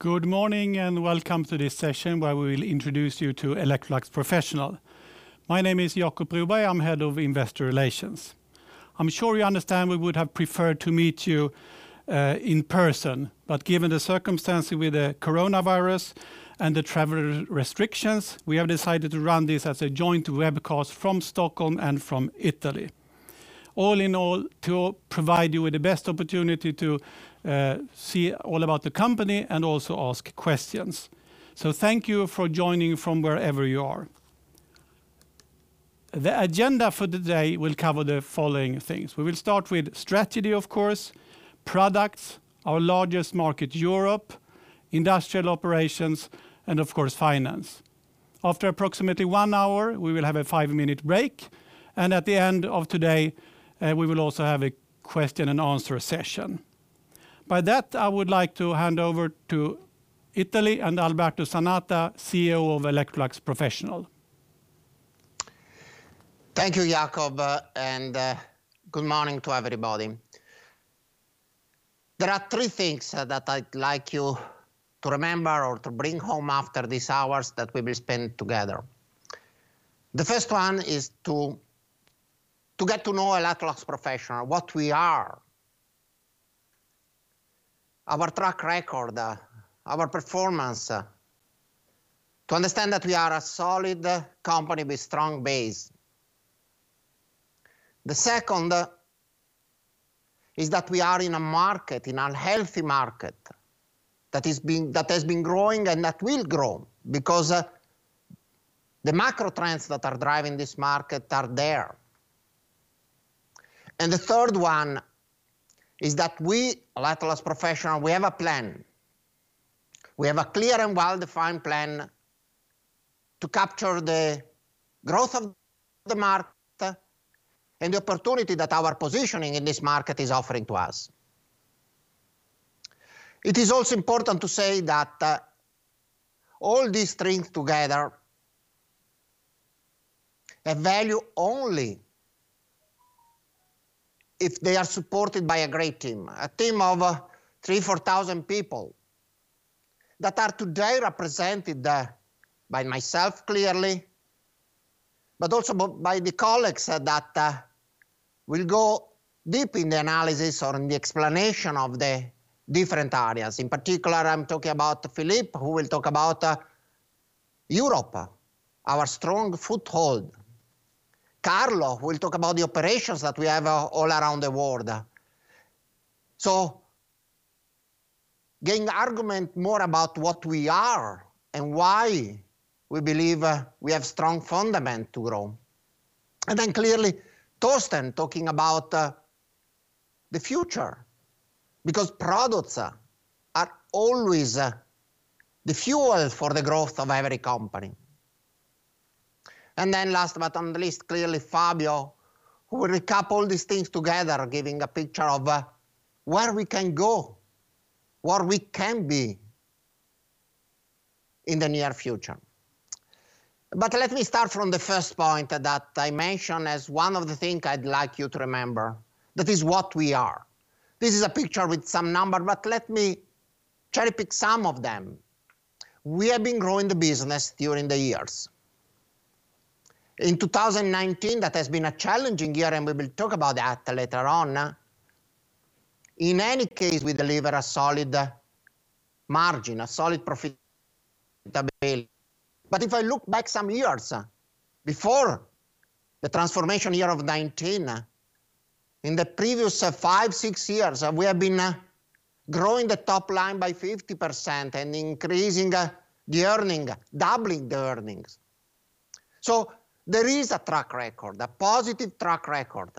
Good morning, welcome to this session where we will introduce you to Electrolux Professional. My name is Jacob Broberg. I'm head of investor relations. I'm sure you understand we would have preferred to meet you in person, but given the circumstances with the coronavirus and the travel restrictions, we have decided to run this as a joint webcast from Stockholm and from Italy, all in all, to provide you with the best opportunity to see all about the company and also ask questions. Thank you for joining from wherever you are. The agenda for today will cover the following things. We will start with strategy, of course, products, our largest market, Europe, industrial operations, and of course, finance. After approximately one hour, we will have a five-minute break, and at the end of today, we will also have a question and answer session. By that, I would like to hand over to Italy and Alberto Zanata, CEO of Electrolux Professional. Thank you, Jacob, good morning to everybody. There are three things that I'd like you to remember or to bring home after these hours that we will spend together. The first one is to get to know Electrolux Professional, what we are. Our track record, our performance. To understand that we are a solid company with strong base. The second is that we are in a market, in a healthy market, that has been growing and that will grow because the macro trends that are driving this market are there. The third one is that we, Electrolux Professional, have a plan. We have a clear and well-defined plan to capture the growth of the market and the opportunity that our positioning in this market is offering to us. It is also important to say that all these strings together have value only if they are supported by a great team, a team of 3,000, 4,000 people that are today represented by myself, clearly, but also by the colleagues that will go deep in the analysis or in the explanation of the different areas. In particular, I'm talking about Philippe, who will talk about Europe, our strong foothold. Carlo will talk about the operations that we have all around the world. Giving argument more about what we are and why we believe we have strong fundament to grow. Clearly, Torsten talking about the future because products are always the fuel for the growth of every company. Last but not least, clearly Fabio, who will recap all these things together, giving a picture of where we can go, where we can be in the near future. Let me start from the first point that I mentioned as one of the things I'd like you to remember. That is what we are. This is a picture with some numbers, but let me cherry-pick some of them. We have been growing the business during the years. In 2019, that has been a challenging year, and we will talk about that later on. In any case, we deliver a solid margin, a solid profit. If I look back some years, before the transformation year of 2019, in the previous five, six years, we have been growing the top line by 50% and increasing the earning, doubling the earnings. There is a track record, a positive track record.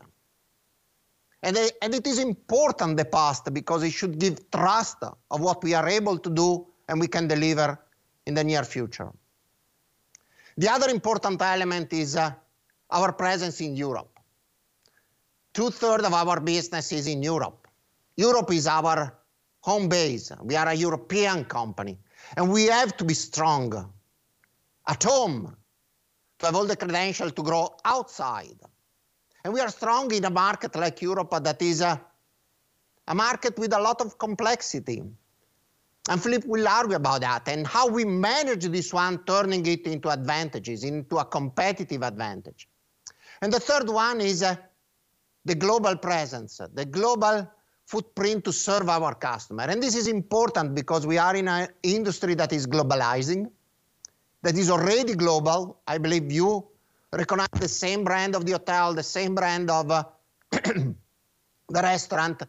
It is important, the past, because it should give trust of what we are able to do and we can deliver in the near future. The other important element is our presence in Europe. Two-third of our business is in Europe. Europe is our home base. We are a European company, and we have to be strong at home to have all the credential to grow outside. We are strong in a market like Europe that is a market with a lot of complexity, and Philippe will argue about that and how we manage this one, turning it into advantages, into a competitive advantage. The third one is the global presence, the global footprint to serve our customer. This is important because we are in an industry that is globalizing, that is already global. I believe you recognize the same brand of the hotel, the same brand of the restaurant,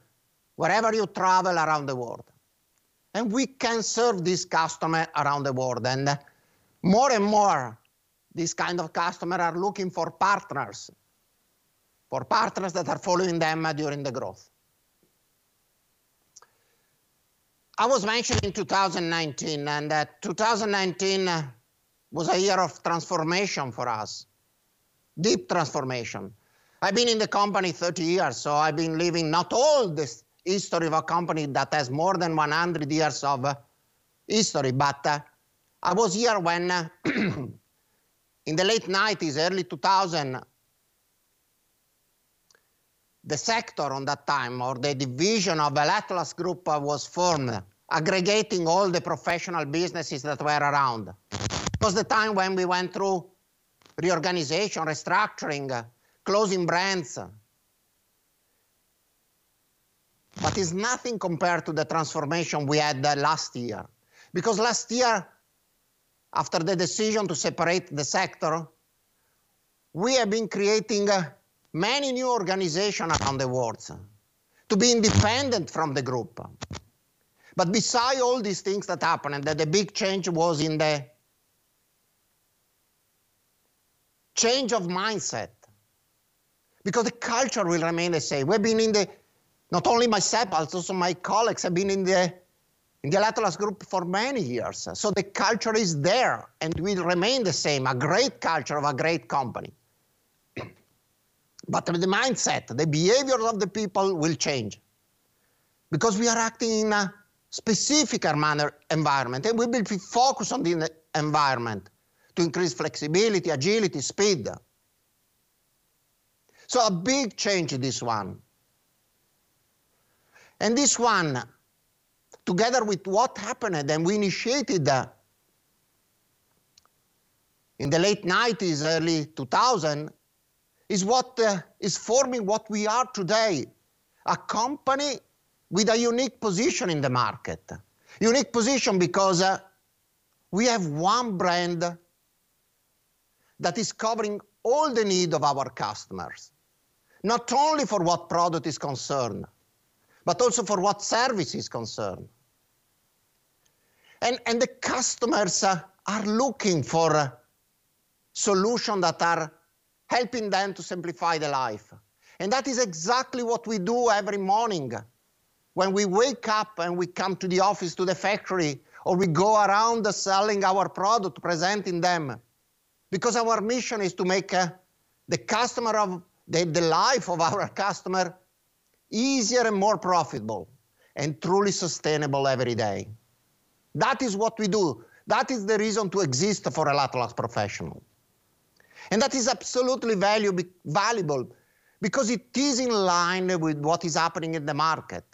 wherever you travel around the world. We can serve this customer around the world. More and more, this kind of customer are looking for partners, for partners that are following them during the growth. I was mentioning 2019, and 2019 was a year of transformation for us, deep transformation. I've been in the company 30 years, so I've been living not all this history of a company that has more than 100 years of history, but I was here when in the late '90s, early 2000. The sector at that time, or the division of Electrolux Group, was formed aggregating all the professional businesses that were around. It was the time when we went through reorganization, restructuring, closing brands. It's nothing compared to the transformation we had last year. Last year, after the decision to separate the sector, we have been creating many new organizations around the world to be independent from the Electrolux Group. Beside all these things that happened, the big change was in the change of mindset, because the culture will remain the same. Not only myself, but also my colleagues have been in the Electrolux Group for many years. The culture is there, and will remain the same, a great culture of a great company. The mindset, the behavior of the people will change because we are acting in a specific manner environment, and we will be focused on the environment to increase flexibility, agility, speed. A big change, this one. This one, together with what happened, and we initiated that in the late '90s, early 2000s, is forming what we are today, a company with a unique position in the market. Unique position because we have one brand that is covering all the needs of our customers, not only for what product is concerned, but also for what service is concerned. The customers are looking for solutions that are helping them to simplify their life. That is exactly what we do every morning when we wake up and we come to the office, to the factory, or we go around selling our product, presenting them, because our mission is to make the life of our customer easier and more profitable and truly sustainable every day. That is what we do. That is the reason to exist for Electrolux Professional, and that is absolutely valuable because it is in line with what is happening in the market.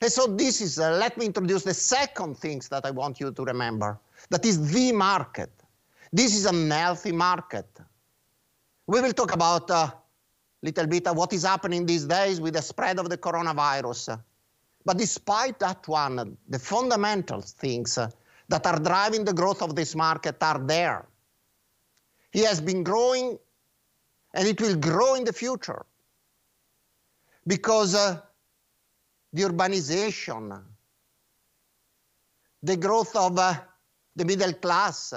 Let me introduce the second thing that I want you to remember. That is the market. This is a healthy market. We will talk about a little bit of what is happening these days with the spread of the coronavirus. Despite that one, the fundamental things that are driving the growth of this market are there. It has been growing, and it will grow in the future because the urbanization, the growth of the middle class,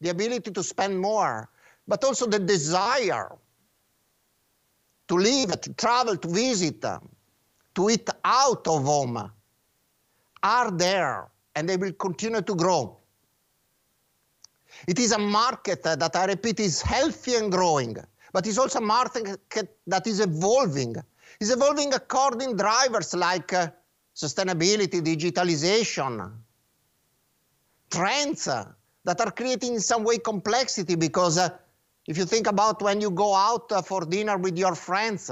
the ability to spend more, but also the desire to live, to travel, to visit, to eat out of home are there, and they will continue to grow. It is a market that, I repeat, is healthy and growing, but it's also a market that is evolving. It's evolving according to drivers like sustainability, digitalization, trends that are creating, in some way, complexity, because if you think about when you go out for dinner with your friends,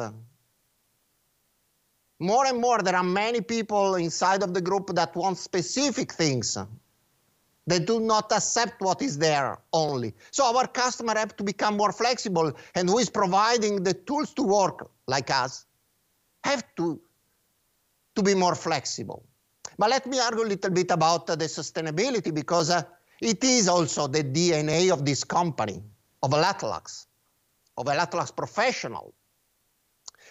more and more, there are many people inside of the group that want specific things. They do not accept what is there only. Our customers have to become more flexible, and who is providing the tools to work, like us, have to be more flexible. Let me argue a little bit about the sustainability, because it is also the DNA of this company, of Electrolux, of Electrolux Professional.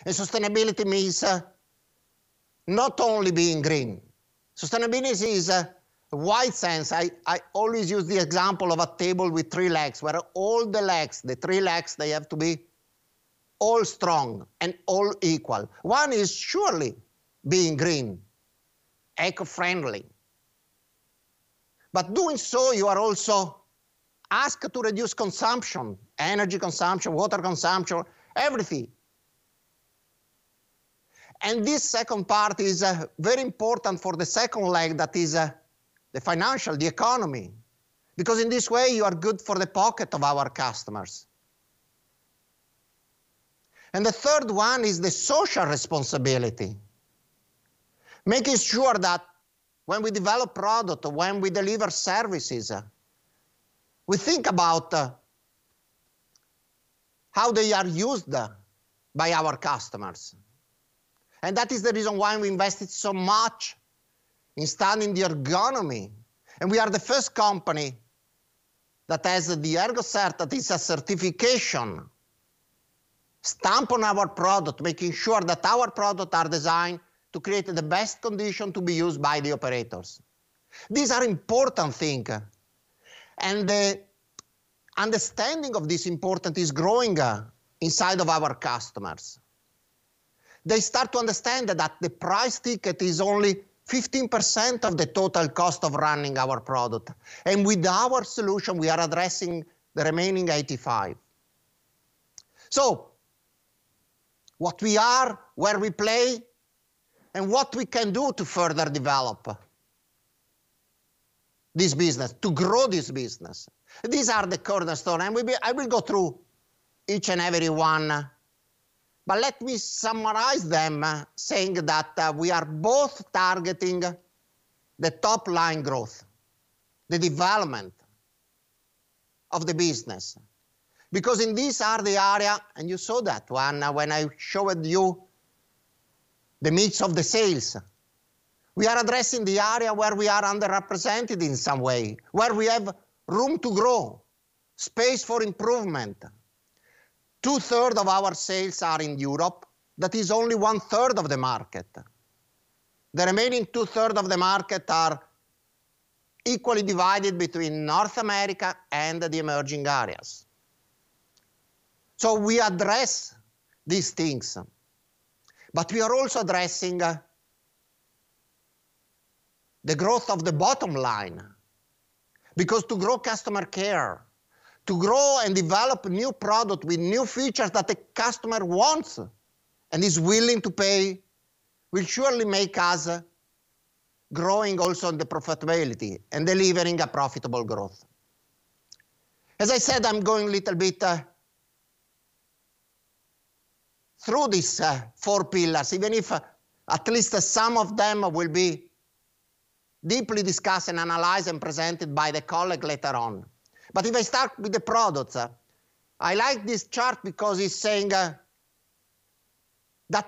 Sustainability means not only being green. Sustainability is a wide sense. I always use the example of a table with three legs, where all the legs, the three legs, they have to be all strong and all equal. One is surely being green, eco-friendly, but doing so, you are also asked to reduce consumption, energy consumption, water consumption, everything. This second part is very important for the second leg, that is the financial, the economy, because in this way, you are good for the pocket of our customers. The third one is the social responsibility, making sure that when we develop product, when we deliver services, we think about how they are used by our customers. That is the reason why we invested so much in studying the ergonomy. We are the first company that has the ErgoCert. That is a certification stamp on our product, making sure that our products are designed to create the best condition to be used by the operators. These are important things, the understanding of this importance is growing inside of our customers. They start to understand that the price ticket is only 15% of the total cost of running our product. With our solution, we are addressing the remaining 85%. What we are, where we play, and what we can do to further develop this business, to grow this business. These are the cornerstone, I will go through each and every one. Let me summarize them, saying that we are both targeting the top-line growth, the development of the business. In this are the area, and you saw that one when I showed you the mix of the sales, we are addressing the area where we are underrepresented in some way, where we have room to grow, space for improvement. Two-third of our sales are in Europe. That is only one-third of the market. The remaining two-third of the market are equally divided between North America and the emerging areas. We address these things. We are also addressing the growth of the bottom line, because to grow customer care, to grow and develop new product with new features that the customer wants and is willing to pay, will surely make us growing also in the profitability and delivering a profitable growth. As I said, I am going a little bit through these four pillars, even if at least some of them will be deeply discussed and analyzed and presented by the colleague later on. If I start with the products, I like this chart because it's saying that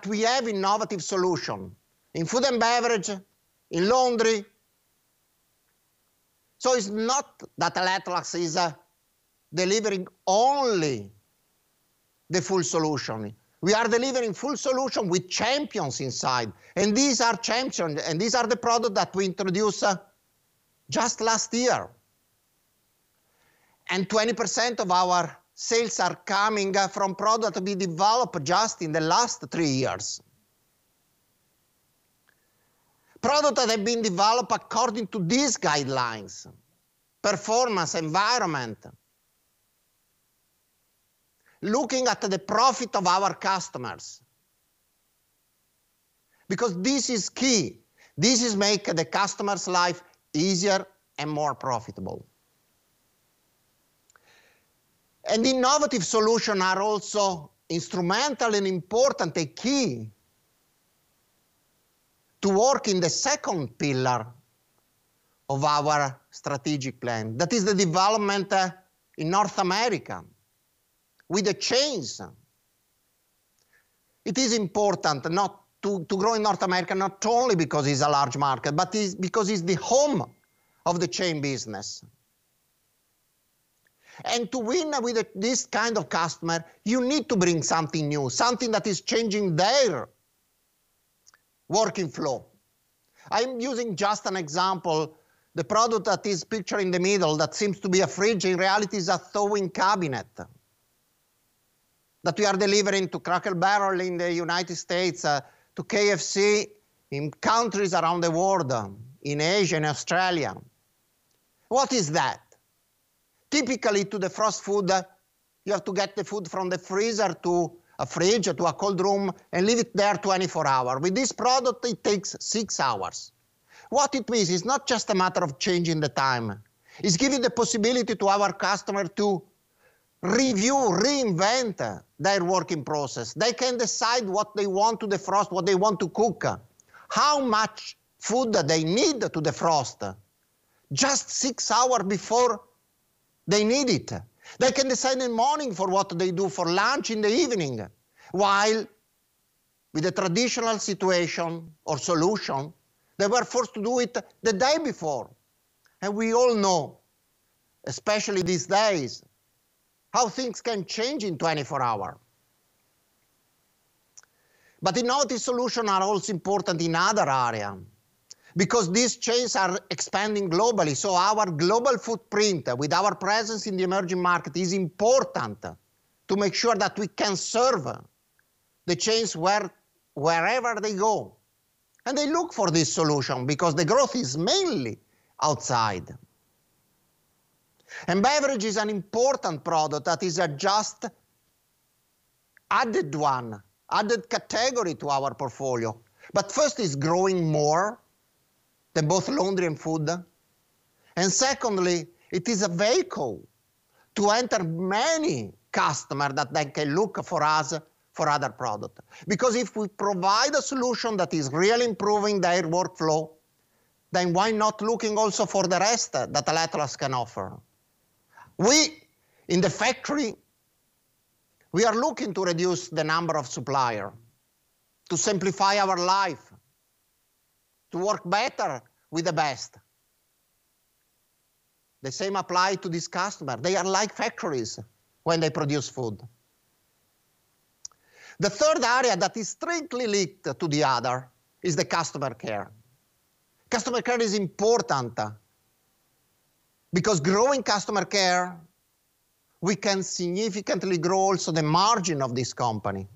we have innovative solution in food and beverage, in laundry. It's not that Electrolux is delivering only the full solution. We are delivering full solution with champions inside. These are champions. These are the products that we introduced just last year. 20% of our sales are coming from products we developed just in the last three years. Products that have been developed according to these guidelines, performance, environment, looking at the profit of our customers. This is key. This makes the customer's life easier and more profitable. Innovative solution are also instrumental and important, a key to work in the second pillar of our strategic plan. That is the development in North America with the chains. It is important to grow in North America, not only because it is a large market, but because it is the home of the chain business. To win with this kind of customer, you need to bring something new, something that is changing their working flow. I am using just an example. The product that is pictured in the middle that seems to be a fridge, in reality is a thawing cabinet that we are delivering to Cracker Barrel in the United States, to KFC, in countries around the world, in Asia and Australia. What is that? Typically, to defrost food, you have to get the food from the freezer to a fridge or to a cold room and leave it there 24 hour. With this product, it takes six hours. What it means, it's not just a matter of changing the time, it's giving the possibility to our customer to review, reinvent their working process. They can decide what they want to defrost, what they want to cook, how much food they need to defrost just six hour before they need it. They can decide in morning for what they do for lunch in the evening, while with the traditional situation or solution, they were forced to do it the day before. We all know, especially these days, how things can change in 24 hour. Innovative solution are also important in other area, because these chains are expanding globally. Our global footprint, with our presence in the emerging market, is important to make sure that we can serve the chains wherever they go. They look for this solution because the growth is mainly outside. Beverage is an important product that is a just added category to our portfolio. First, it's growing more than both laundry and food. Secondly, it is a vehicle to enter many customers that they can look for us for other products. If we provide a solution that is really improving their workflow, then why not looking also for the rest that Electrolux can offer? In the factory, we are looking to reduce the number of suppliers, to simplify our life, to work better with the best. The same applies to these customers. They are like factories when they produce food. The third area that is strictly linked to the other is the customer care. Customer care is important because growing customer care, we can significantly grow also the margin of this company.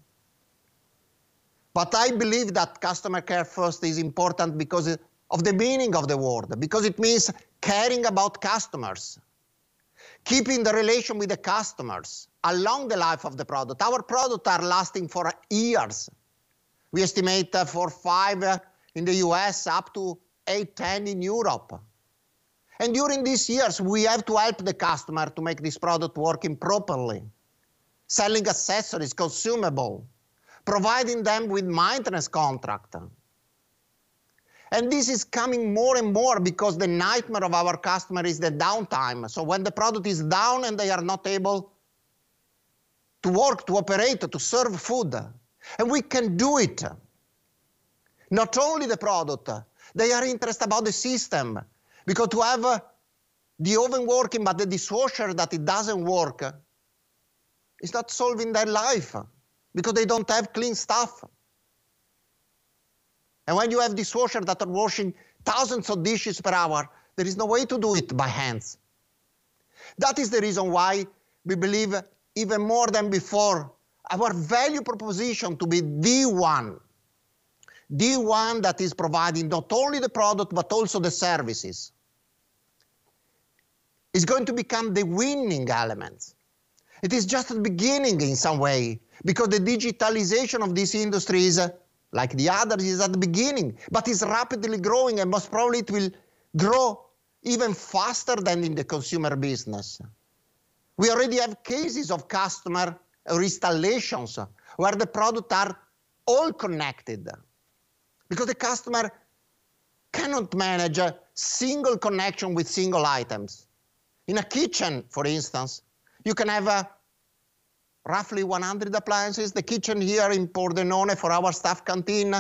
I believe that customer care first is important because of the meaning of the word, because it means caring about customers. Keeping the relation with the customers along the life of the product. Our product are lasting for years. We estimate four, five in the U.S., up to eight, 10 in Europe. During these years, we have to help the customer to make this product working properly, selling accessories, consumable, providing them with maintenance contract. This is coming more and more because the nightmare of our customer is the downtime. When the product is down and they are not able to work, to operate, to serve food, and we can do it. Not only the product, they are interested about the system, because to have the oven working, but the dishwasher that it doesn't work, is not solving their life, because they don't have clean stuff. When you have dishwasher that are washing thousands of dishes per hour, there is no way to do it by hands. That is the reason why we believe even more than before, our value proposition to be the one that is providing not only the product but also the services, is going to become the winning element. It is just the beginning in some way, because the digitalization of this industry is, like the others, at the beginning, but is rapidly growing and most probably it will grow even faster than in the consumer business. We already have cases of customer installations where the product are all connected, because the customer cannot manage a single connection with single items. In a kitchen, for instance, you can have roughly 100 appliances. The kitchen here in Pordenone for our staff canteen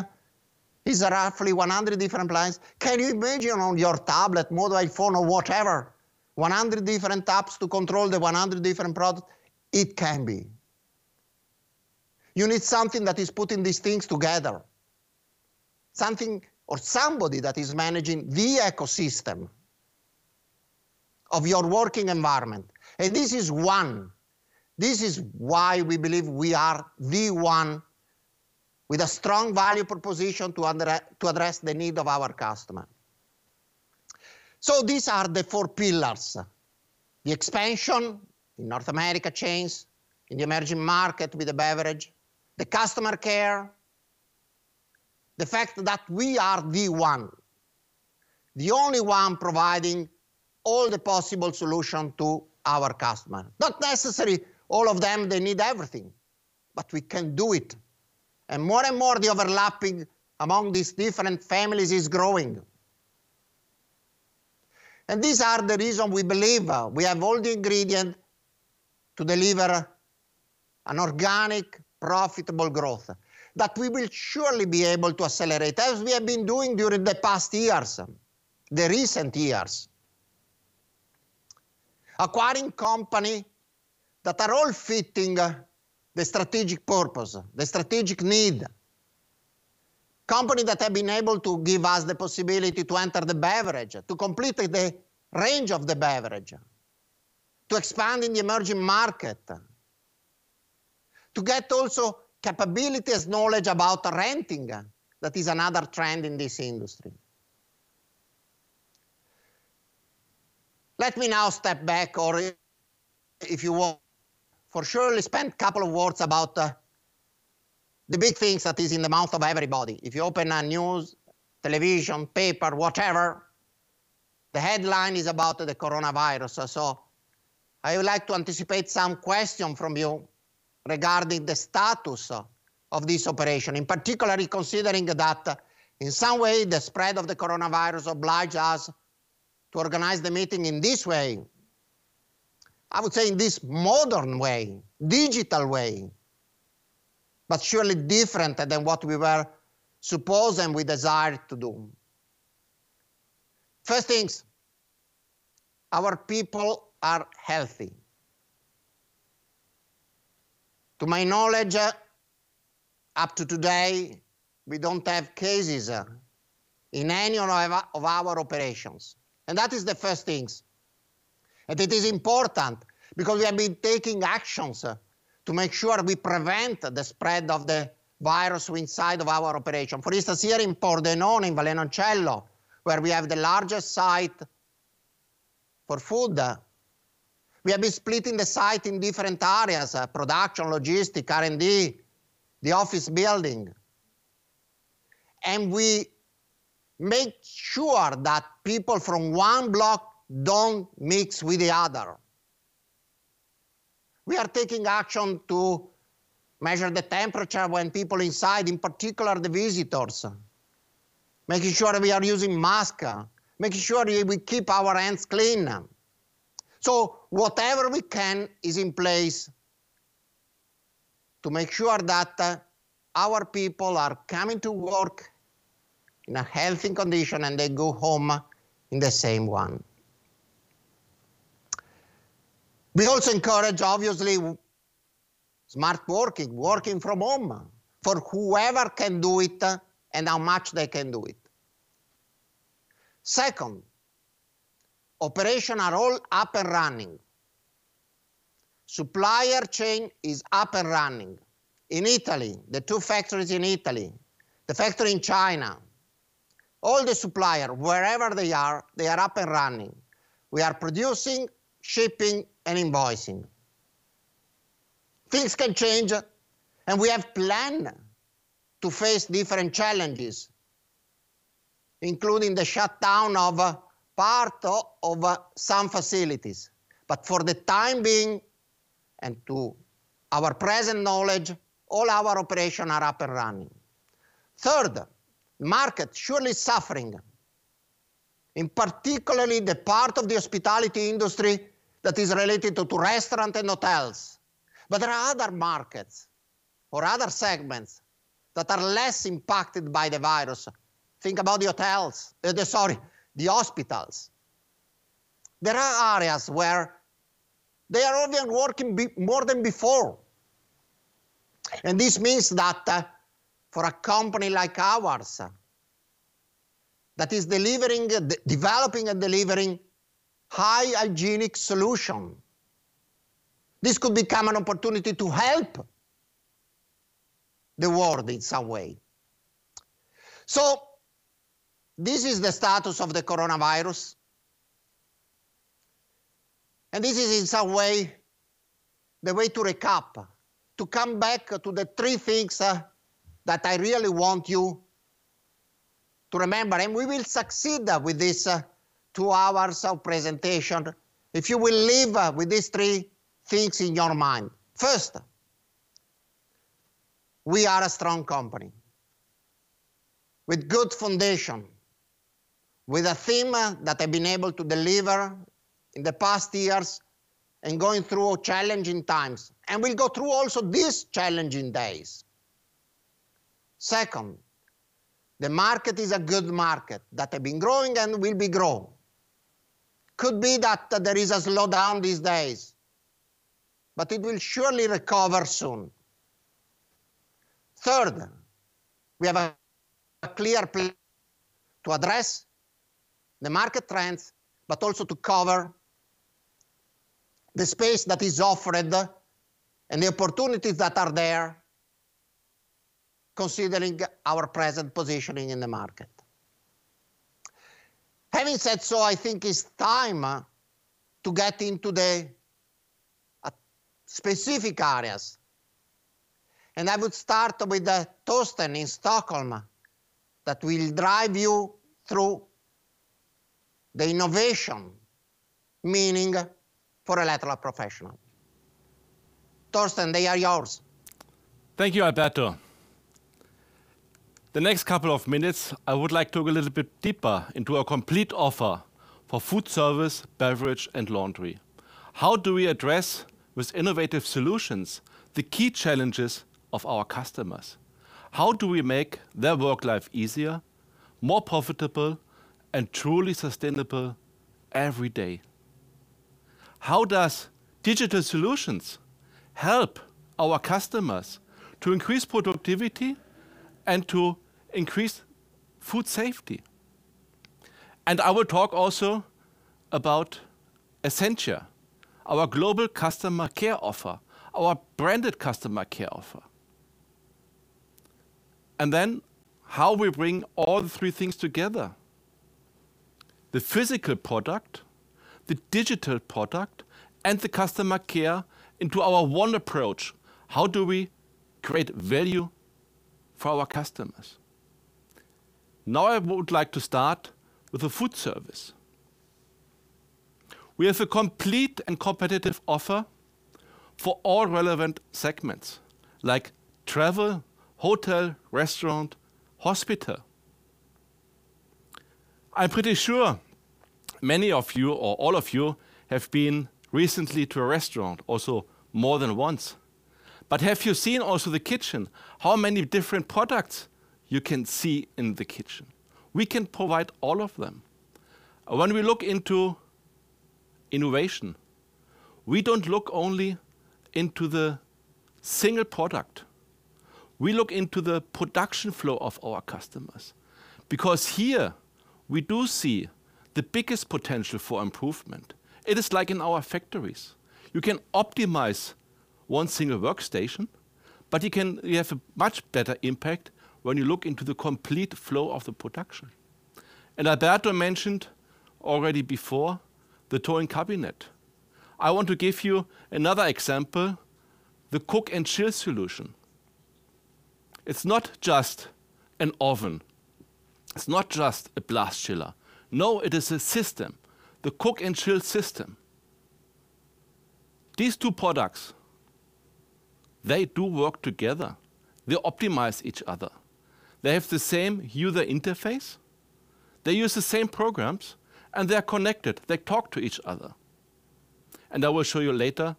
is roughly 100 different appliances. Can you imagine on your tablet, mobile phone, or whatever, 100 different apps to control the 100 different products? It can't be. You need something that is putting these things together. Something or somebody that is managing the ecosystem of your working environment. This is one. This is why we believe we are the one with a strong value proposition to address the need of our customer. These are the four pillars. The expansion in North America chains, in the emerging market with the beverage, the customer care, the fact that we are the one, the only one providing all the possible solution to our customer. Not necessary all of them, they need everything, but we can do it. More and more, the overlapping among these different families is growing. These are the reason we believe we have all the ingredient to deliver an organic, profitable growth that we will surely be able to accelerate, as we have been doing during the past years, the recent years. Acquiring company that are all fitting the strategic purpose, the strategic need. Company that have been able to give us the possibility to enter the beverage, to complete the range of the beverage, to expand in the emerging market, to get also capabilities, knowledge about renting. That is another trend in this industry. Let me now step back, or if you want, for sure, let's spend a couple of words about the big things that is in the mouth of everybody. If you open news, television, paper, whatever, the headline is about the coronavirus. I would like to anticipate some question from you regarding the status of this operation, in particularly considering that, in some way, the spread of the coronavirus obliged us to organize the meeting in this way. I would say in this modern way, digital way, but surely different than what we were supposed and we desired to do. First things, our people are healthy. To my knowledge, up to today, we don't have cases in any of our operations, and that is the first things. It is important, because we have been taking actions to make sure we prevent the spread of the virus inside of our operation. For instance, here in Pordenone, in Vallenoncello, where we have the largest site for food, we have been splitting the site in different areas, production, logistics, R&D, the office building, we make sure that people from one block don't mix with the other. We are taking action to measure the temperature when people inside, in particular, the visitors. Making sure we are using mask, making sure we keep our hands clean. Whatever we can is in place to make sure that our people are coming to work in a healthy condition, they go home in the same one. We also encourage, obviously, smart working from home, for whoever can do it and how much they can do it. Second, operations are all up and running. Supplier chain is up and running. In Italy, the two factories in Italy, the factory in China, all the suppliers, wherever they are, they are up and running. We are producing, shipping, and invoicing. Things can change. We have a plan to face different challenges, including the shutdown of part of some facilities. For the time being, and to our present knowledge, all our operations are up and running. Third, the market is surely suffering, particularly the part of the hospitality industry that is related to restaurants and hotels. There are other markets or other segments that are less impacted by the virus. Think about the hospitals. There are areas where they are even working more than before. This means that for a company like ours, that is developing and delivering high hygienic solution, this could become an opportunity to help the world in some way. This is the status of the coronavirus, and this is, in some way, the way to recap, to come back to the three things that I really want you to remember. We will succeed with this two hours of presentation if you will leave with these three things in your mind. First, we are a strong company with good foundation, with a team that I've been able to deliver in the past years and going through challenging times. We'll go through also these challenging days. Second, the market is a good market that have been growing and will be grow. Could be that there is a slowdown these days, but it will surely recover soon. Third, we have a clear plan to address the market trends, also to cover the space that is offered and the opportunities that are there considering our present positioning in the market. Having said so, I think it's time to get into the specific areas, I would start with Torsten in Stockholm that will drive you through the innovation meaning for Electrolux Professional. Torsten, they are yours. Thank you, Alberto. The next couple of minutes, I would like to go a little bit deeper into our complete offer for food service, beverage, and laundry. How do we address, with innovative solutions, the key challenges of our customers? How do we make their work life easier, more profitable, and truly sustainable every day? How does digital solutions help our customers to increase productivity and to increase food safety? I will talk also about Essentia, our global customer care offer, our branded customer care offer. Then how we bring all the three things together, the physical product, the digital product, and the customer care into our one approach. How do we create value for our customers? Now, I would like to start with the food service. We have a complete and competitive offer for all relevant segments, like travel, hotel, restaurant, hospital. I'm pretty sure many of you or all of you have been recently to a restaurant, also more than once. Have you seen also the kitchen, how many different products you can see in the kitchen? We can provide all of them. When we look into innovation, we don't look only into the single product. We look into the production flow of our customers, because here we do see the biggest potential for improvement. It is like in our factories. You can optimize one single workstation, but you have a much better impact when you look into the complete flow of the production. Alberto mentioned already before the Thawing Cabinet. I want to give you another example, the Cook and Chill solution. It's not just an oven. It's not just a blast chiller. No, it is a system, the Cook and Chill system. These two products, they do work together. They optimize each other. They have the same user interface, they use the same programs, they're connected. They talk to each other. I will show you later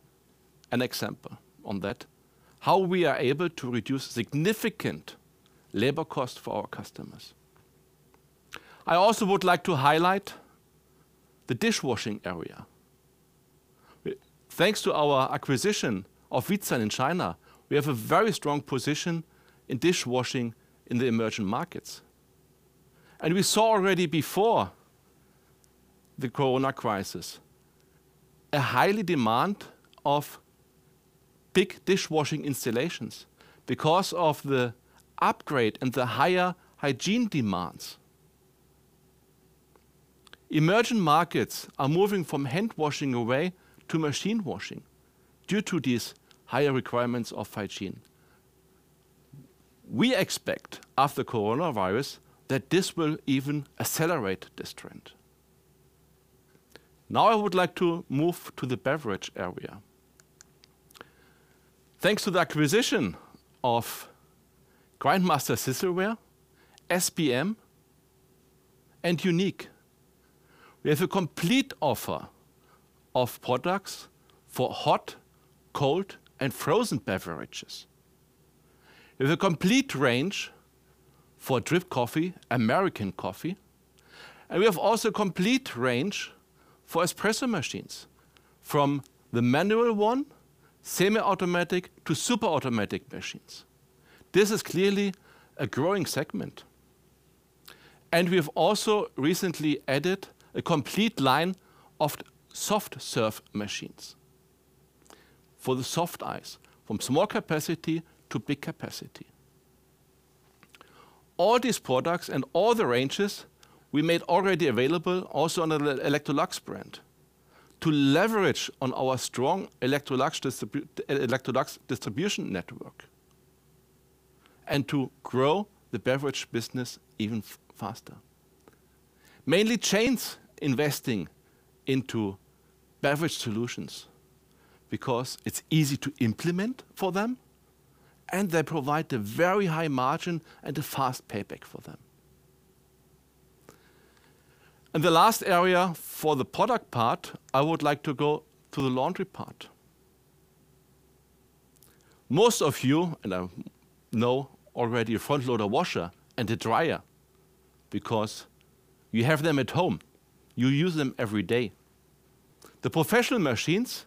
an example on that, how we are able to reduce significant labor cost for our customers. I also would like to highlight the dishwashing area. Thanks to our acquisition of Veetsan in China, we have a very strong position in dishwashing in the emerging markets. We saw already before the COVID crisis, a high demand of big dishwashing installations because of the upgrade and the higher hygiene demands. Emerging markets are moving from hand washing away to machine washing due to these higher requirements of hygiene. We expect, after Coronavirus, that this will even accelerate this trend. Now I would like to move to the beverage area. Thanks to the acquisition of Grindmaster-Cecilware, SPM, and Unic, we have a complete offer of products for hot, cold, and frozen beverages. We have a complete range for drip coffee, American coffee, and we have also a complete range for espresso machines. From the manual one, semi-automatic, to super-automatic machines. This is clearly a growing segment. We have also recently added a complete line of soft serve machines for the soft ice, from small capacity to big capacity. All these products and all the ranges we made already available also on the Electrolux brand to leverage on our strong Electrolux distribution network and to grow the beverage business even faster. Mainly chains investing into beverage solutions because it's easy to implement for them, and they provide a very high margin and a fast payback for them. The last area for the product part, I would like to go to the laundry part. Most of you know already a front loader washer and a dryer because you have them at home. You use them every day. The professional machines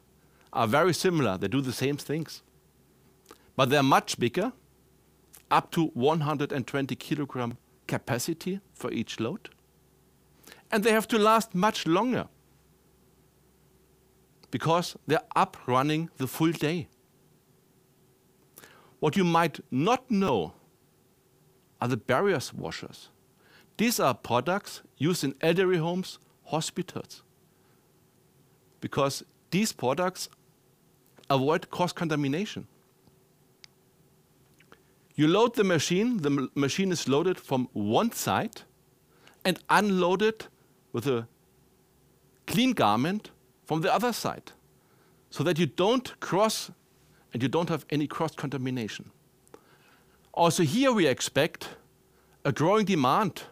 are very similar. They do the same things. They're much bigger, up to 120 kg capacity for each load. They have to last much longer because they're up running the full day. What you might not know are the barrier washers. These are products used in elderly homes, hospitals because these products avoid cross-contamination. You load the machine, the machine is loaded from one side and unloaded with a clean garment from the other side, so that you don't have any cross-contamination. Here we expect a growing demand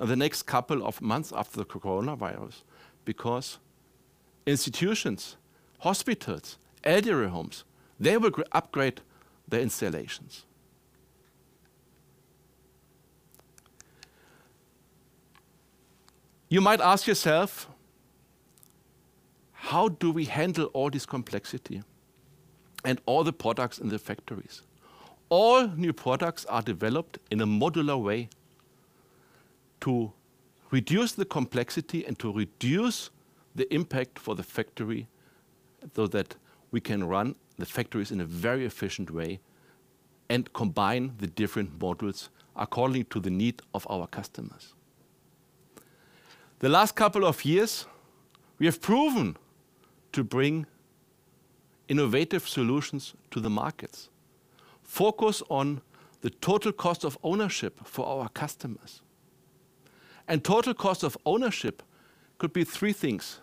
in the next couple of months after the coronavirus because institutions, hospitals, elderly homes, they will upgrade their installations. You might ask yourself, how do we handle all this complexity and all the products in the factories? All new products are developed in a modular way to reduce the complexity and to reduce the impact for the factory so that we can run the factories in a very efficient way and combine the different modules according to the need of our customers. The last couple of years, we have proven to bring innovative solutions to the markets, focus on the total cost of ownership for our customers. Total cost of ownership could be three things.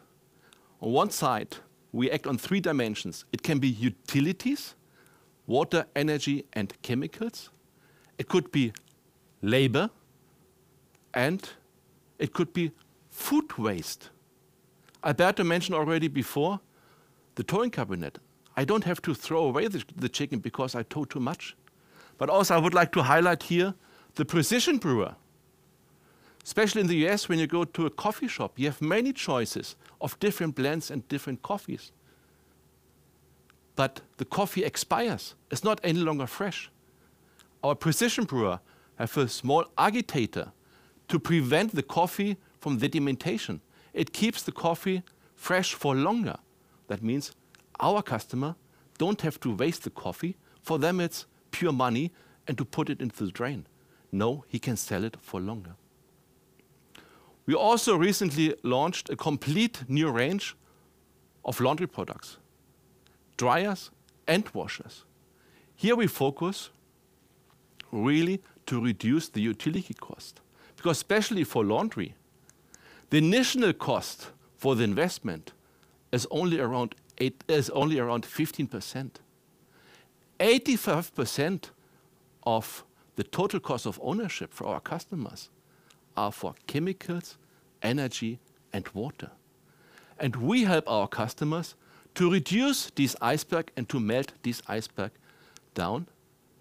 On one side, we act on three dimensions. It can be utilities, water, energy, and chemicals. It could be labor, and it could be food waste. I dare to mention already before the Thawing Cabinet. I don't have to throw away the chicken because I thaw too much. Also, I would like to highlight here the Precision Brewer. Especially in the U.S., when you go to a coffee shop, you have many choices of different blends and different coffees. The coffee expires. It's no longer fresh. Our Precision Brewer has a small agitator to prevent the coffee from sedimentation. It keeps the coffee fresh for longer. That means our customer doesn't have to waste the coffee. For them, it's pure money, and to put it into the drain. No, he can sell it for longer. We also recently launched a complete new range of laundry products, dryers and washers. Here we focus really to reduce the utility cost because especially for laundry, the initial cost for the investment is only around 15%. 85% of the total cost of ownership for our customers are for chemicals, energy, and water. We help our customers to reduce this iceberg and to melt this iceberg down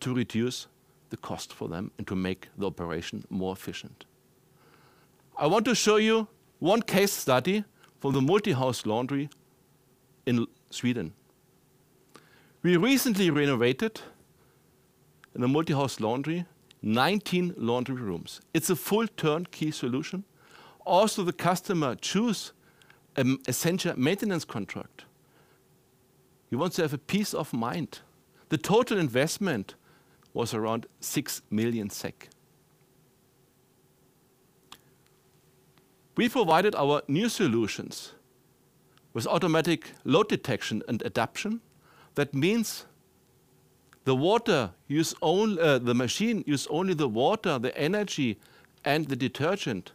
to reduce the cost for them and to make the operation more efficient. I want to show you one case study for the multi-housing laundry in Sweden. We recently renovated, in a multi-house laundry, 19 laundry rooms. It's a full turnkey solution. The customer choose an Essentia maintenance contract. He wants to have a peace of mind. The total investment was around 6 million SEK. We provided our new solutions with automatic load detection and adaption. That means the machine use only the water, the energy, and the detergent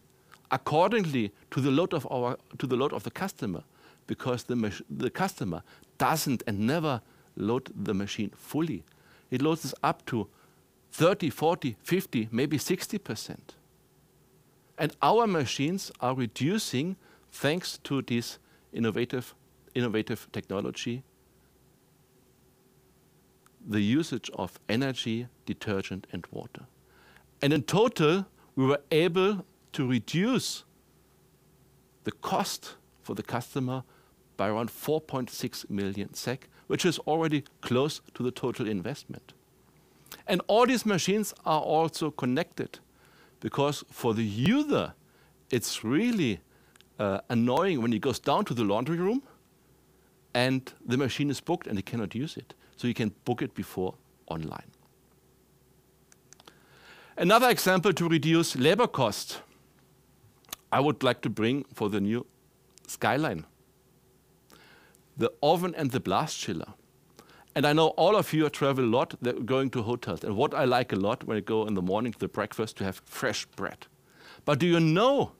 accordingly to the load of the customer, because the customer doesn't and never load the machine fully. It loads up to 30, 40, 50, maybe 60%. Our machines are reducing, thanks to this innovative technology, the usage of energy, detergent, and water. In total, we were able to reduce the cost for the customer by around 4.6 million SEK, which is already close to the total investment. All these machines are also connected because for the user, it's really annoying when he goes down to the laundry room and the machine is booked, and he cannot use it. You can book it before online. Another example to reduce labor cost, I would like to bring for the new SkyLine. The oven and the blast chiller. I know all of you travel a lot, going to hotels. What I like a lot when I go in the morning to the breakfast, to have fresh bread. Do you know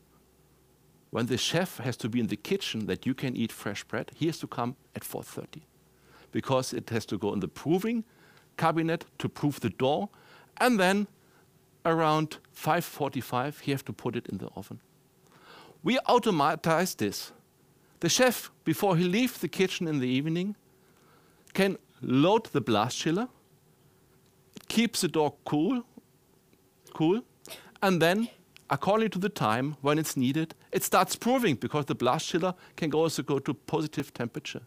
when the chef has to be in the kitchen that you can eat fresh bread? He has to come at 4:30 because it has to go in the proving cabinet to prove the dough, and then around 5:45, he have to put it in the oven. We automatize this. The chef, before he leave the kitchen in the evening, can load the blast chiller, keeps the dough cool. According to the time when it's needed, it starts proving because the blast chiller can also go to positive temperature.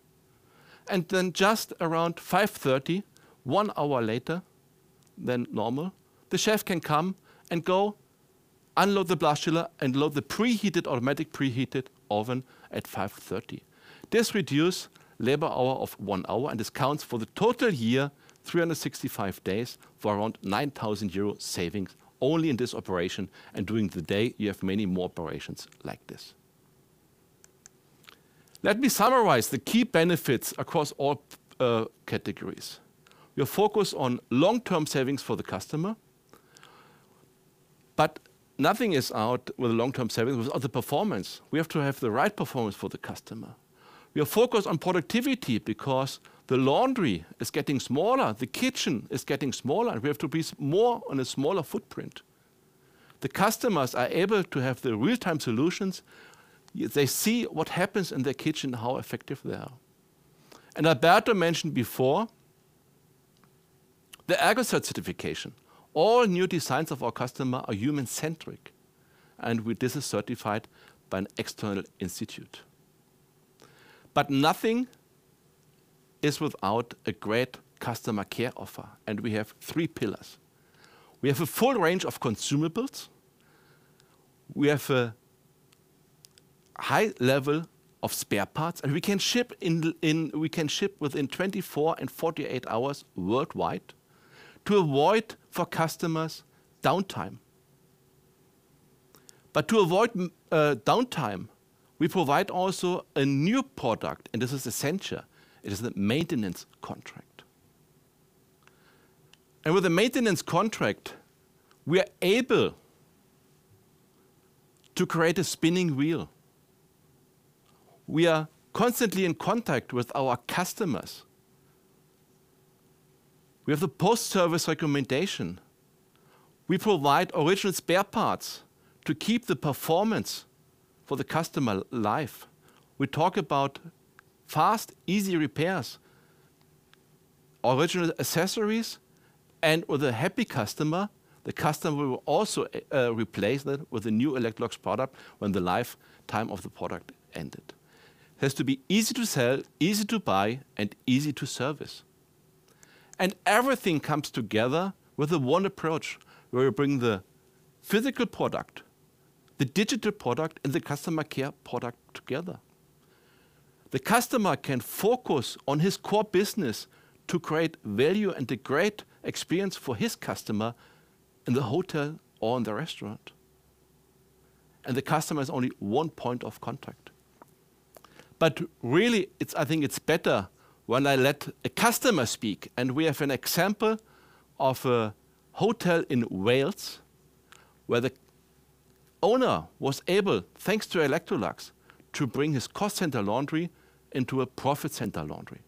Just around 5:30, one hour later than normal, the chef can come and go unload the blast chiller and load the preheated, automatic preheated oven at 5:30. This reduce labor hour of one hour, and this counts for the total year, 365 days, for around 9,000 euro savings only in this operation. During the day, you have many more operations like this. Let me summarize the key benefits across all categories. We are focused on long-term savings for the customer, but nothing is out with long-term savings without the performance. We have to have the right performance for the customer. We are focused on productivity because the laundry is getting smaller, the kitchen is getting smaller. We have to be more on a smaller footprint. The customers are able to have the real-time solutions. They see what happens in their kitchen, how effective they are. Alberto mentioned before the ErgoCert certification. All new designs of our customer are human-centric, and with this is certified by an external institute. Nothing is without a great customer care offer, and we have three pillars. We have a full range of consumables. We have a high level of spare parts, and we can ship within 24 and 48 hours worldwide to avoid for customers downtime. To avoid downtime, we provide also a new product, and this is Essentia. It is the maintenance contract. With the maintenance contract, we are able to create a spinning wheel. We are constantly in contact with our customers. We have the post-service recommendation. We provide original spare parts to keep the performance for the customer life. We talk about fast, easy repairs, original accessories, and with a happy customer, the customer will also replace that with a new Electrolux product when the lifetime of the product ended. It has to be easy to sell, easy to buy, and easy to service. Everything comes together with the one approach where we bring the physical product, the digital product, and the customer care product together. The customer can focus on his core business to create value and a great experience for his customer in the hotel or in the restaurant. The customer has only one point of contact. Really, I think it's better when I let a customer speak, and we have an example of a hotel in Wales where the owner was able, thanks to Electrolux, to bring his cost center laundry into a profit center laundry.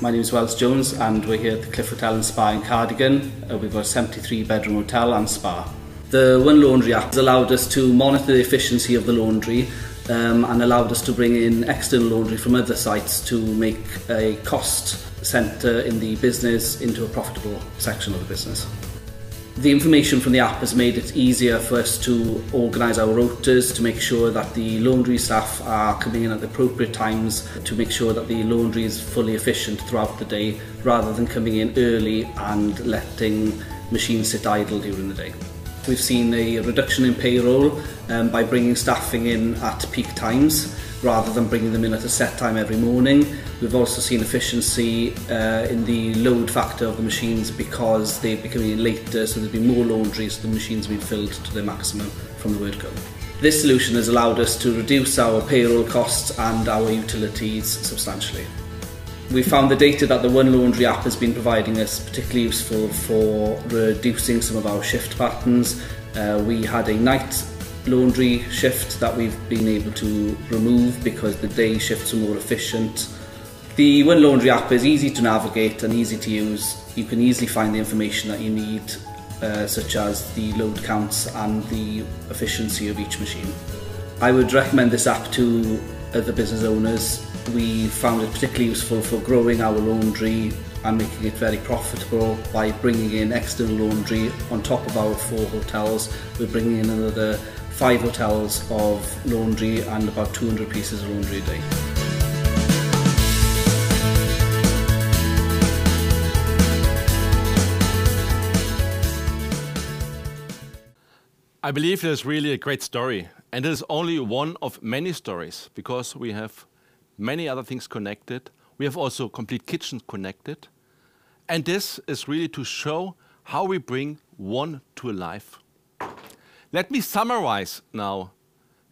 My name is Wells Jones, and we're here at The Cliff Hotel & Spa in Cardigan. We've got a 73-bedroom hotel and spa. The We found it particularly useful for growing our laundry and making it very profitable by bringing in external laundry on top of our four hotels. We are bringing in another five hotels of laundry and about 200 pieces of laundry a day. I believe it is really a great story, and it is only one of many stories because we have many other things connected. We have also complete kitchens connected, and this is really to show how we bring OnE to life. Let me summarize now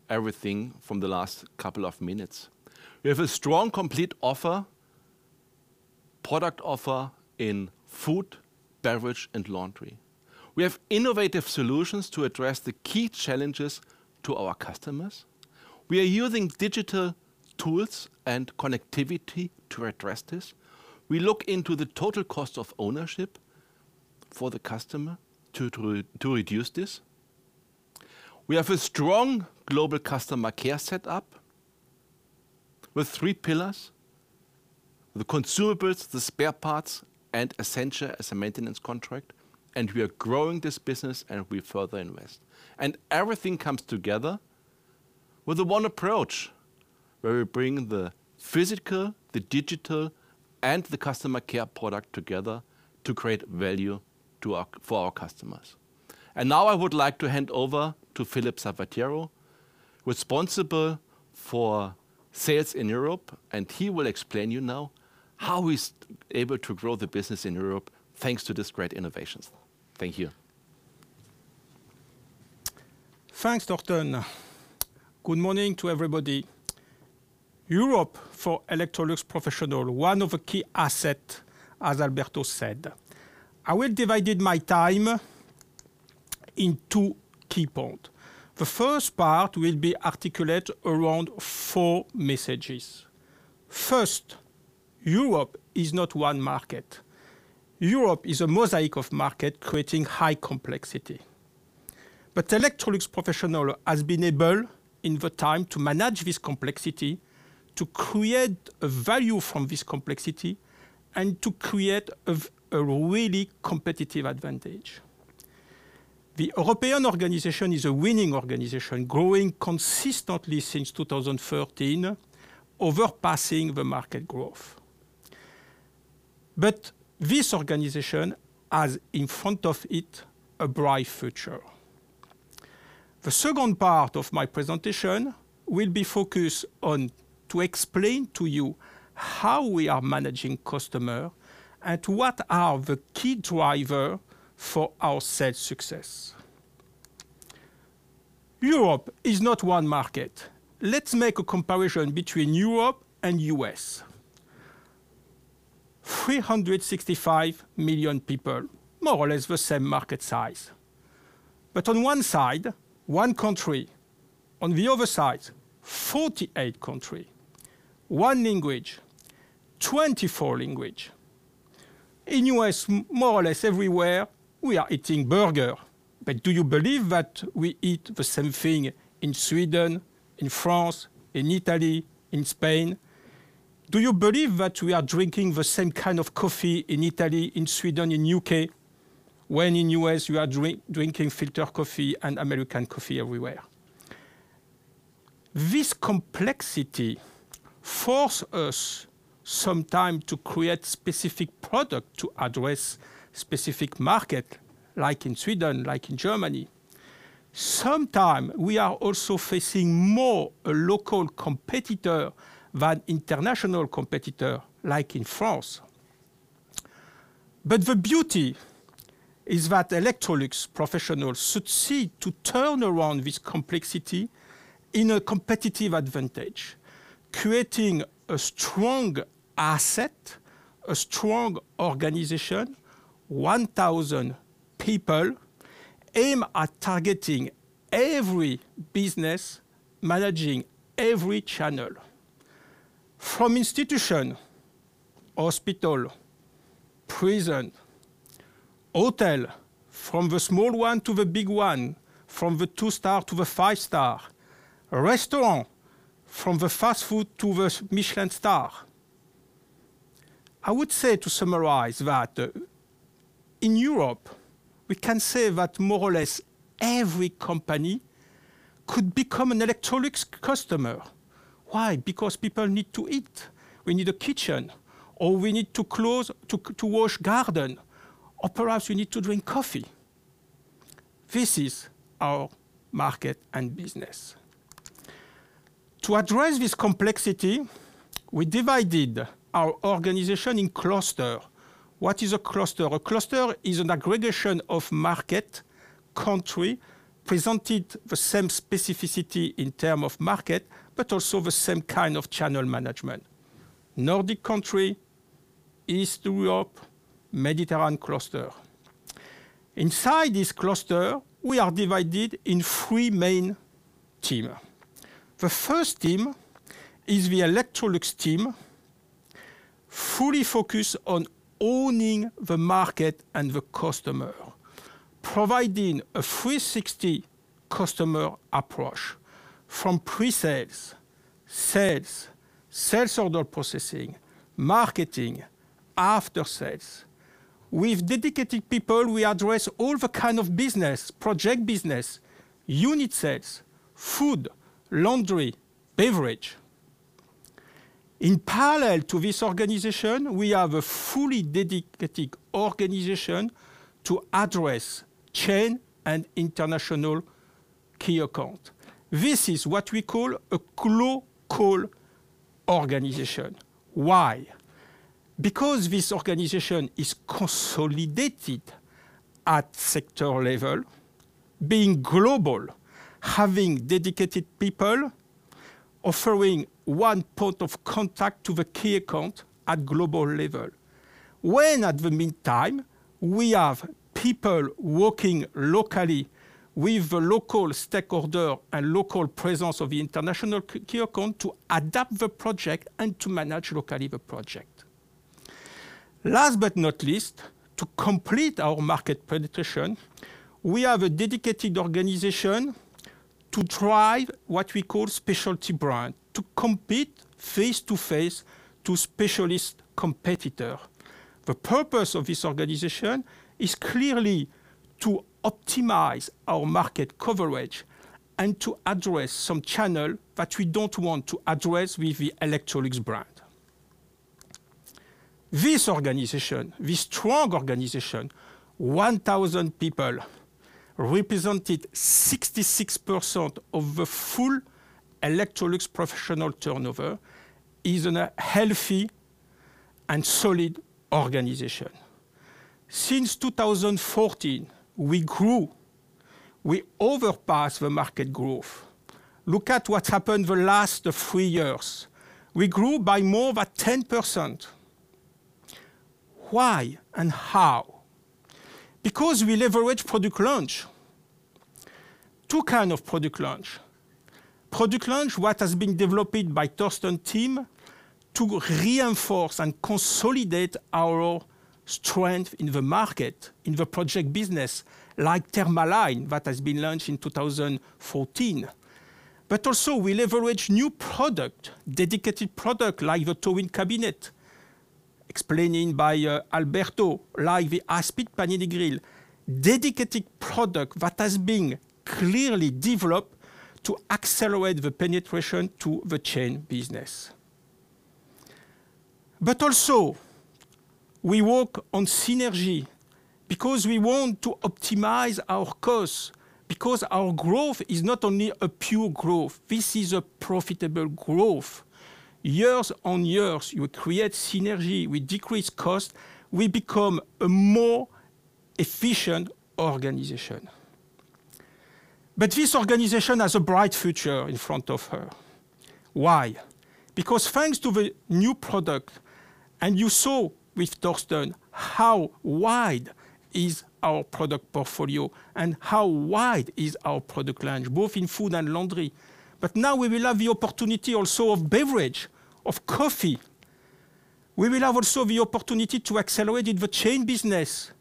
everything from the last couple of minutes. We have a strong, complete product offer in food, beverage, and laundry. We have innovative solutions to address the key challenges to our customers. We are using digital tools and connectivity to address this. We look into the total cost of ownership for the customer to reduce this. We have a strong global customer care set up with three pillars: the consumables, the spare parts, and Essentia as a maintenance contract, and we are growing this business, and we further invest. Everything comes together with the OnE approach, where we bring the physical, the digital, and the customer care product together to create value for our customers. Now I would like to hand over to Philippe Zavattiero, responsible for sales in Europe, and he will explain to you now how he's able to grow the business in Europe thanks to these great innovations. Thank you. Thanks, Torsten. Good morning to everybody. Europe for Electrolux Professional, one of the key assets, as Alberto said. I will divide my time in two key points. The first part will be articulate around four messages. First, Europe is not one market. Europe is a mosaic of markets, creating high complexity. Electrolux Professional has been able, in time, to manage this complexity, to create a value from this complexity, and to create a really competitive advantage. The European organization is a winning organization, growing consistently since 2013, overpassing the market growth. This organization has in front of it a bright future. The second part of my presentation will be focused on to explain to you how we are managing customer and what are the key drivers for our sales success. Europe is not one market. Let's make a comparison between Europe and U.S. 365 million people, more or less the same market size. On one side, one country. On the other side, 48 countries. One language, 24 languages. In U.S., more or less everywhere, we are eating burger. Do you believe that we eat the same thing in Sweden, in France, in Italy, in Spain? Do you believe that we are drinking the same kind of coffee in Italy, in Sweden, in U.K., when in U.S., you are drinking filter coffee and American coffee everywhere? This complexity force us sometime to create specific product to address specific market, like in Sweden, like in Germany. Sometime we are also facing more local competitor than international competitor, like in France. The beauty is that Electrolux Professional succeed to turn around this complexity in a competitive advantage, creating a strong asset, a strong organization, 1,000 people aim at targeting every business, managing every channel. From institution, hospital, prison, hotel, from the small one to the big one, from the two star to the five star. Restaurant, from the fast food to the Michelin star. I would say to summarize that, in Europe, we can say that more or less every company could become an Electrolux customer. Why? Because people need to eat. We need a kitchen, or we need to wash garden, or perhaps we need to drink coffee. This is our market and business. To address this complexity, we divided our organization in cluster. What is a cluster? A cluster is an aggregation of market, country, presented the same specificity in terms of market, but also the same kind of channel management. Nordic country, East Europe, Mediterranean cluster. Inside this cluster, we are divided in three main team. The first team is the Electrolux team, fully focused on owning the market and the customer, providing a 360 customer approach from pre-sales, sales order processing, marketing, after-sales. With dedicated people, we address all the kind of business, project business, unit sales, food, laundry, beverage. In parallel to this organization, we have a fully dedicated organization to address chain and international key account. This is what we call a glocal organization. Why? Because this organization is consolidated at sector level, being global, having dedicated people, offering one point of contact to the key account at global level. At the meantime, we have people working locally with the local stakeholder and local presence of the international key account to adapt the project and to manage locally the project. Last but not least, to complete our market penetration, we have a dedicated organization to drive what we call specialty brand, to compete face-to-face to specialist competitor. The purpose of this organization is clearly to optimize our market coverage and to address some channel that we don't want to address with the Electrolux brand. This organization, this strong organization, 1,000 people, represented 66% of the full Electrolux Professional turnover, is a healthy and solid organization. Since 2014, we grew. We overpass the market growth. Look at what happened the last three years. We grew by more than 10%. Why and how? We leverage product launch. Two kind of product launch. Product launch, what has been developed by Torsten team to reinforce and consolidate our strength in the market, in the project business, like Thermaline that has been launched in 2014. Also, we leverage new product, dedicated product, like the Thawing Cabinet, explained by Alberto, like the High Speed Panini Grill. Dedicated product that has been clearly developed to accelerate the penetration to the chain business. Also, we work on synergy because we want to optimize our costs, because our growth is not only a pure growth. This is a profitable growth. Years on years, you create synergy, we decrease cost, we become a more efficient organization. This organization has a bright future in front of her. Why? Thanks to the new product, and you saw with Torsten how wide is our product portfolio and how wide is our product launch, both in food and laundry. Now we will have the opportunity also of beverage, of coffee. We will have also the opportunity to accelerate the chain business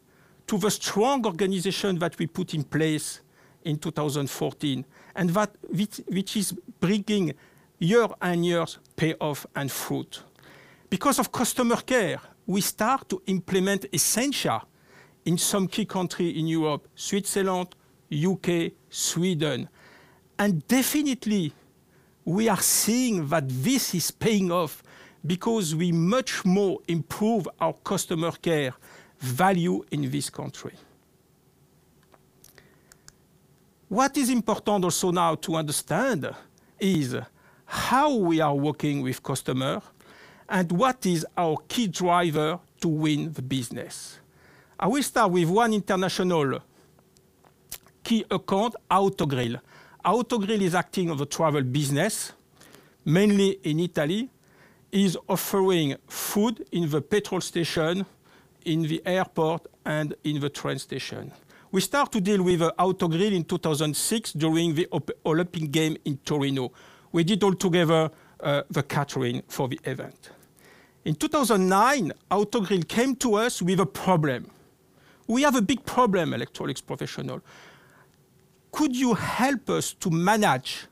to the strong organization that we put in place in 2014, which is bringing year on year payoff and fruit. Because of customer care, we start to implement Essentia in some key country in Europe, Switzerland, U.K., Sweden. Definitely, we are seeing that this is paying off because we much more improve our customer care value in this country. What is important also now to understand is how we are working with customer and what is our key driver to win the business. We start with one international key account, Autogrill. Autogrill is acting on the travel business, mainly in Italy. It's offering food in the petrol station, in the airport, and in the train station. We start to deal with Autogrill in 2006 during the Olympic Game in Torino. We did all together, the catering for the event. In 2009, Autogrill came to us with a problem. "We have a big problem, Electrolux Professional. Could you help us to manage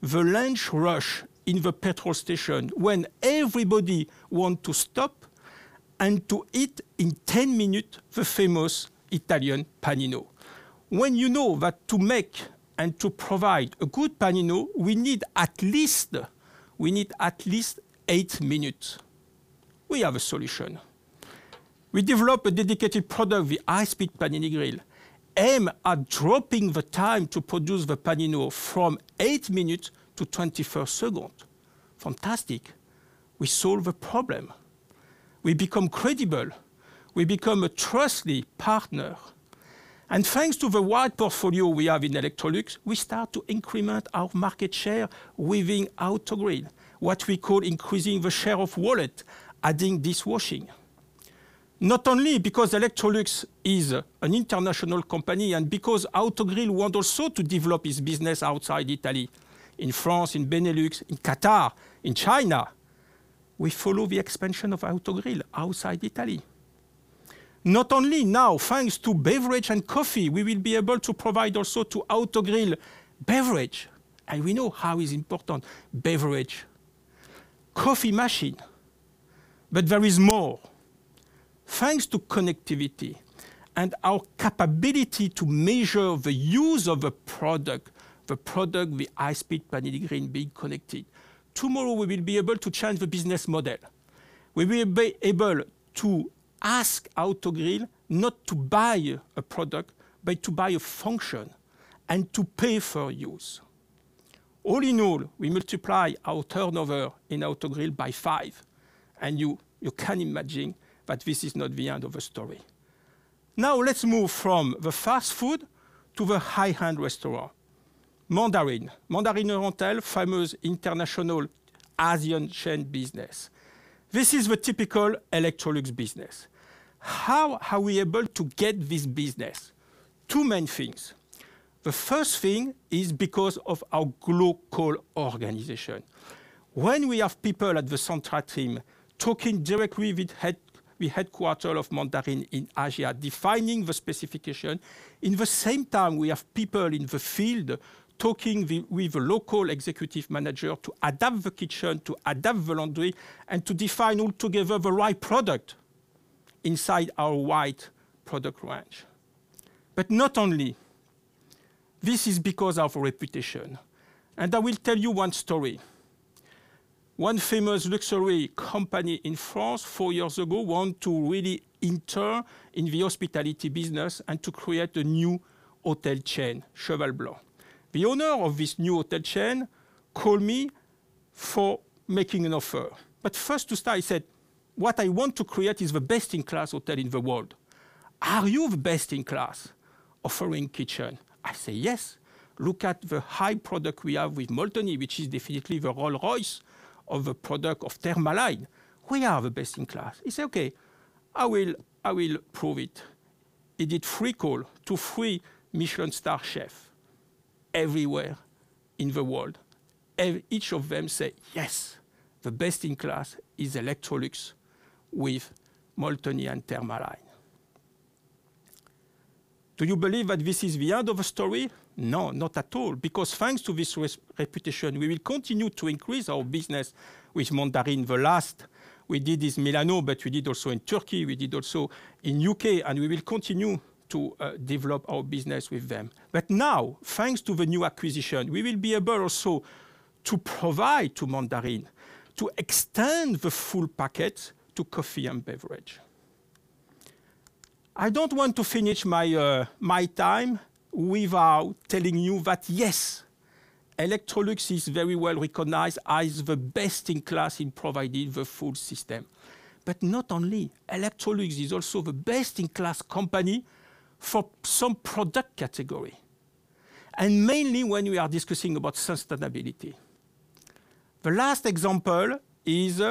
the lunch rush in the petrol station when everybody want to stop and to eat in 10 minute, the famous Italian panino?" When you know that to make and to provide a good panino, we need at least eight minutes. We have a solution. We develop a dedicated product, the High Speed Panini Grill, aimed at dropping the time to produce the panino from eight minutes to 24 second. Fantastic. We solve a problem. We become credible. We become a trusty partner. Thanks to the wide portfolio we have in Electrolux, we start to increment our market share within Autogrill, what we call increasing the share of wallet, adding dishwashing. Not only because Electrolux is an international company, and because Autogrill want also to develop its business outside Italy, in France, in Benelux, in Qatar, in China. We follow the expansion of Autogrill outside Italy. Now, thanks to beverage and coffee, we will be able to provide also to Autogrill, beverage. We know how is important beverage. Coffee machine. There is more. Thanks to connectivity and our capability to measure the use of a product, the product, the High Speed Panini Grill being connected. Tomorrow we will be able to change the business model. We will be able to ask Autogrill not to buy a product, but to buy a function and to pay per use. All in all, we multiply our turnover in Autogrill by five, and you can imagine that this is not the end of the story. Let's move from the fast food to the high-end restaurant. Mandarin Oriental, famous international Asian chain business. This is the typical Electrolux business. How are we able to get this business? Two main things. The first thing is because of our glocal organization. When we have people at the central team talking directly with headquarter of Mandarin in Asia, defining the specification, in the same time, we have people in the field talking with the local executive manager to adapt the kitchen, to adapt the laundry, and to define all together the right product inside our wide product range. Not only. This is because of reputation. I will tell you one story. One famous luxury company in France four years ago want to really enter in the hospitality business and to create a new hotel chain, Cheval Blanc. The owner of this new hotel chain call me for making an offer. First to start, he said, "What I want to create is the best-in-class hotel in the world. Are you the best-in-class offering kitchen?" I say, "Yes. Look at the high product we have with Molteni, which is definitely the Rolls-Royce of the product of Thermaline. We are the best in class." He say, "Okay, I will prove it." He did three call to three Michelin star chef everywhere in the world. Each of them say, "Yes, the best in class is Electrolux with Molteni and Thermaline." Do you believe that this is the end of the story? No, not at all. Thanks to this reputation, we will continue to increase our business with Mandarin. The last we did is Milano, we did also in Turkey, we did also in U.K., and we will continue to develop our business with them. Now, thanks to the new acquisition, we will be able also to provide to Mandarin, to extend the full packet to coffee and beverage. I don't want to finish my time without telling you that, yes, Electrolux is very well-recognized as the best in class in providing the full system. Not only, Electrolux is also the best-in-class company for some product category, and mainly when we are discussing about sustainability. The last example is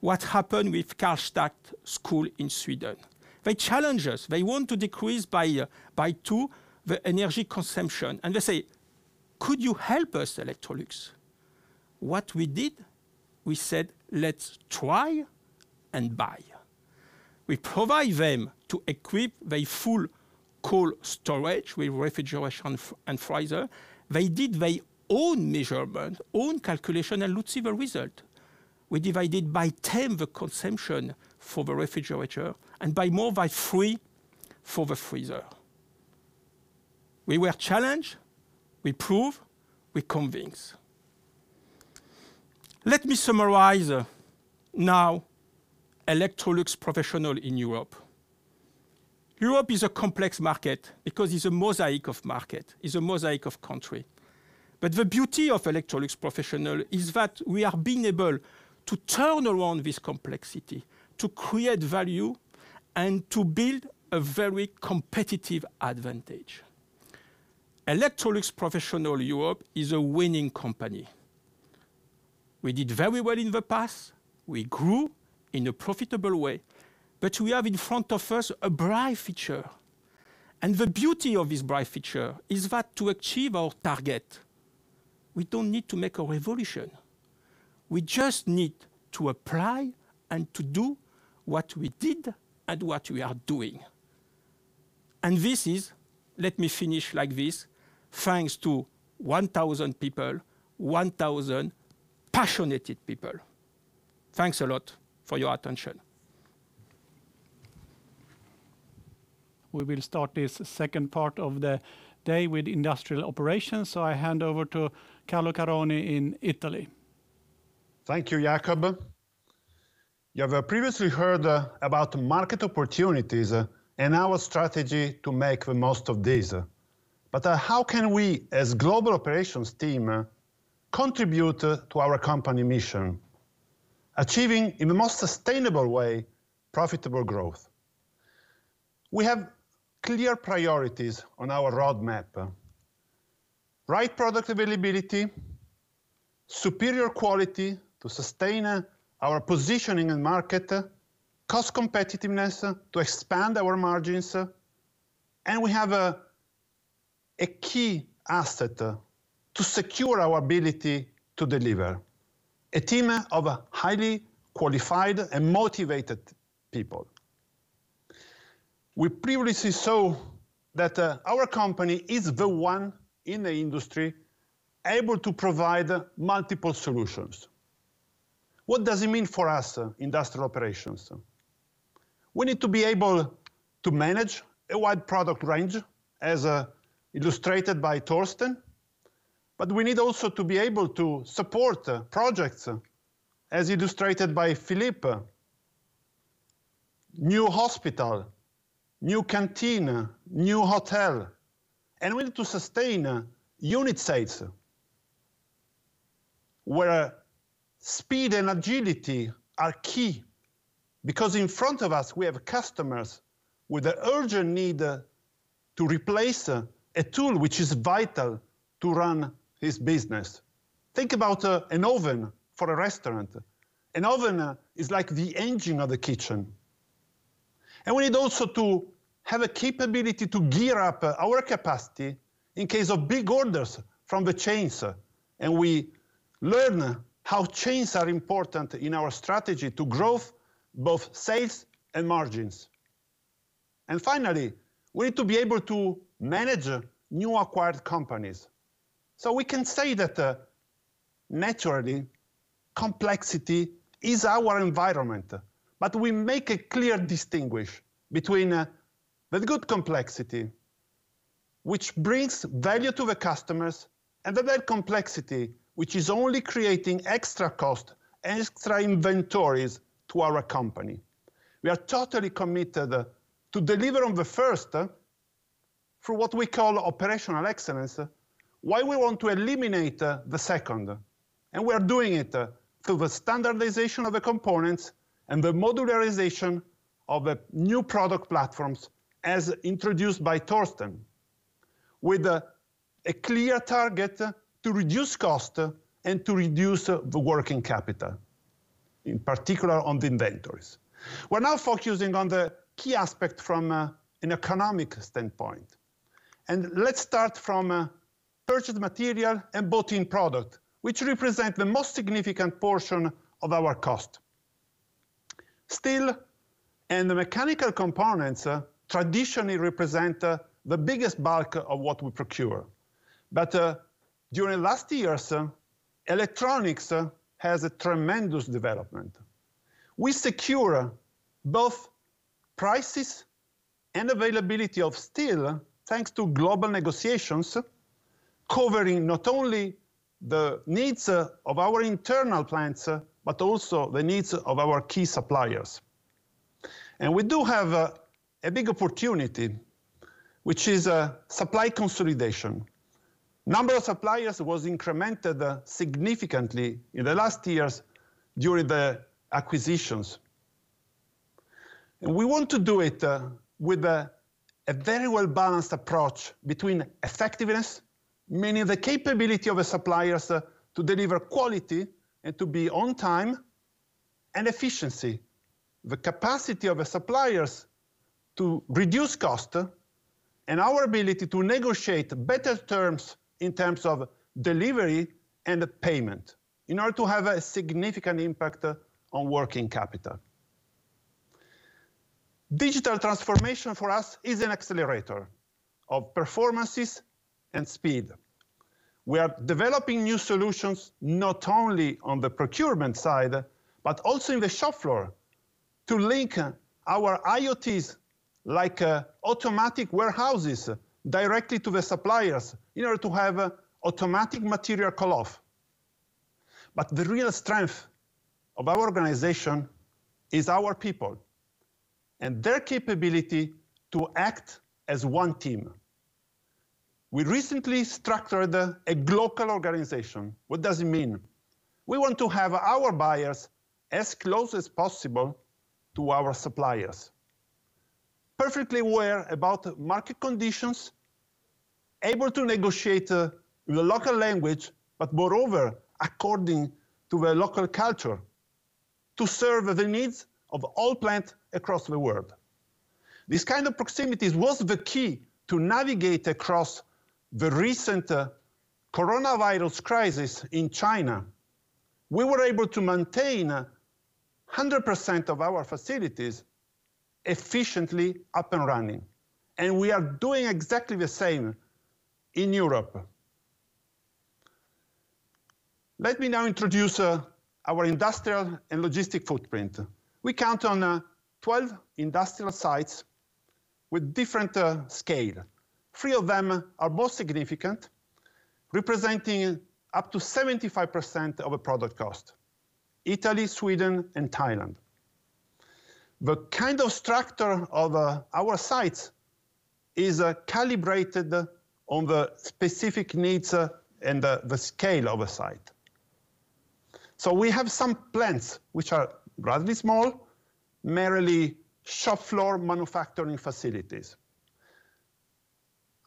what happened with Karlstad school in Sweden. They challenge us. They want to decrease by two the energy consumption. They say, "Could you help us, Electrolux?" What we did, we said, "Let's try and buy." We provide them to equip their full cold storage with refrigeration and freezer. They did their own measurement, own calculation. Let's see the result. We divided by 10 the consumption for the refrigerator, by more by three for the freezer. We were challenged. We prove, we convince. Let me summarize now Electrolux Professional in Europe. Europe is a complex market because it's a mosaic of market, is a mosaic of country. The beauty of Electrolux Professional is that we are being able to turn around this complexity, to create value, and to build a very competitive advantage. Electrolux Professional Europe is a winning company. We did very well in the past. We grew in a profitable way, but we have in front of us a bright future. The beauty of this bright future is that to achieve our target, we don't need to make a revolution. We just need to apply and to do what we did and what we are doing. This is, let me finish like this, thanks to 1,000 people, 1,000 passionate people. Thanks a lot for your attention. We will start this second part of the day with industrial operations, so I hand over to Carlo Caroni in Italy. Thank you, Jacob. You have previously heard about market opportunities and our strategy to make the most of these. How can we, as global operations team, contribute to our company mission, achieving, in the most sustainable way, profitable growth? We have clear priorities on our roadmap. Right product availability, superior quality to sustain our positioning in market, cost competitiveness to expand our margins, and we have a key asset to secure our ability to deliver, a team of highly qualified and motivated people. We previously saw that our company is the one in the industry able to provide multiple solutions. What does it mean for us, industrial operations? We need to be able to manage a wide product range, as illustrated by Torsten, but we need also to be able to support projects, as illustrated by Philippe. New hospital, new canteen, new hotel, and we need to sustain unit sales, where speed and agility are key. Because in front of us, we have customers with the urgent need to replace a tool which is vital to run his business. Think about an oven for a restaurant. An oven is like the engine of the kitchen. We need also to have a capability to gear up our capacity in case of big orders from the chains, and we learn how chains are important in our strategy to growth, both sales and margins. Finally, we need to be able to manage new acquired companies. So we can say that, naturally, complexity is our environment. We make a clear distinguish between the good complexity, which brings value to the customers, and the bad complexity, which is only creating extra cost, extra inventories to our company. We are totally committed to deliver on the first, through what we call operational excellence, while we want to eliminate the second. We are doing it through the standardization of the components and the modularization of the new product platforms, as introduced by Torsten, with a clear target to reduce cost and to reduce the working capital, in particular on the inventories. We are now focusing on the key aspect from an economic standpoint. Let's start from purchased material and bought-in product, which represent the most significant portion of our cost. Steel and the mechanical components traditionally represent the biggest bulk of what we procure. During last years, electronics has a tremendous development. We secure both prices and availability of steel, thanks to global negotiations, covering not only the needs of our internal plants, but also the needs of our key suppliers. We do have a big opportunity, which is supply consolidation. Number of suppliers was incremented significantly in the last years during the acquisitions. We want to do it with a very well-balanced approach between effectiveness, meaning the capability of the suppliers to deliver quality and to be on time, and efficiency, the capacity of the suppliers to reduce cost, and our ability to negotiate better terms in terms of delivery and payment in order to have a significant impact on working capital. Digital transformation for us is an accelerator of performances and speed. We are developing new solutions, not only on the procurement side, but also in the shop floor, to link our IoTs, like automatic warehouses, directly to the suppliers in order to have automatic material call-off. The real strength of our organization is our people and their capability to act as one team. We recently structured a glocal organization. What does it mean? We want to have our buyers as close as possible to our suppliers. Perfectly aware about market conditions, able to negotiate with the local language, but moreover, according to the local culture, to serve the needs of all plant across the world. This kind of proximity was the key to navigate across the recent coronavirus crisis in China. We were able to maintain 100% of our facilities efficiently up and running, and we are doing exactly the same in Europe. Let me now introduce our industrial and logistic footprint. We count on 12 industrial sites with different scale. Three of them are most significant, representing up to 75% of product cost: Italy, Sweden, and Thailand. The kind of structure of our sites is calibrated on the specific needs and the scale of a site. We have some plants which are rather small, merely shop floor manufacturing facilities.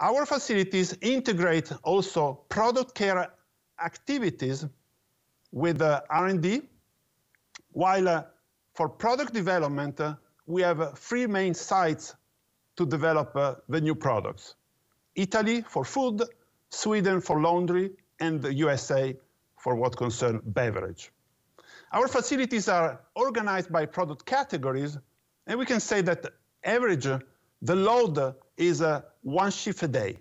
Our facilities integrate also product care activities with R&D, while for product development, we have three main sites to develop the new products. Italy for food, Sweden for laundry, and the USA for what concern beverage. Our facilities are organized by product categories, we can say that average, the load is one shift a day.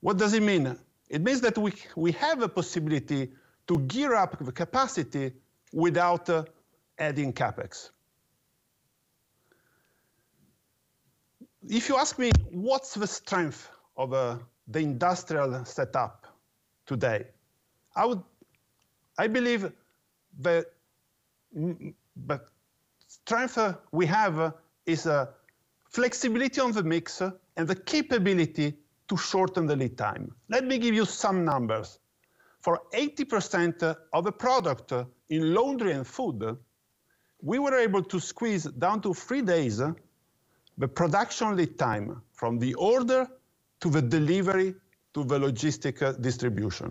What does it mean? It means that we have a possibility to gear up the capacity without adding CapEx. If you ask me what's the strength of the industrial setup today, I believe the strength we have is flexibility on the mix and the capability to shorten the lead time. Let me give you some numbers. For 80% of the product in laundry and food, we were able to squeeze down to three days the production lead time from the order to the delivery to the logistics distribution.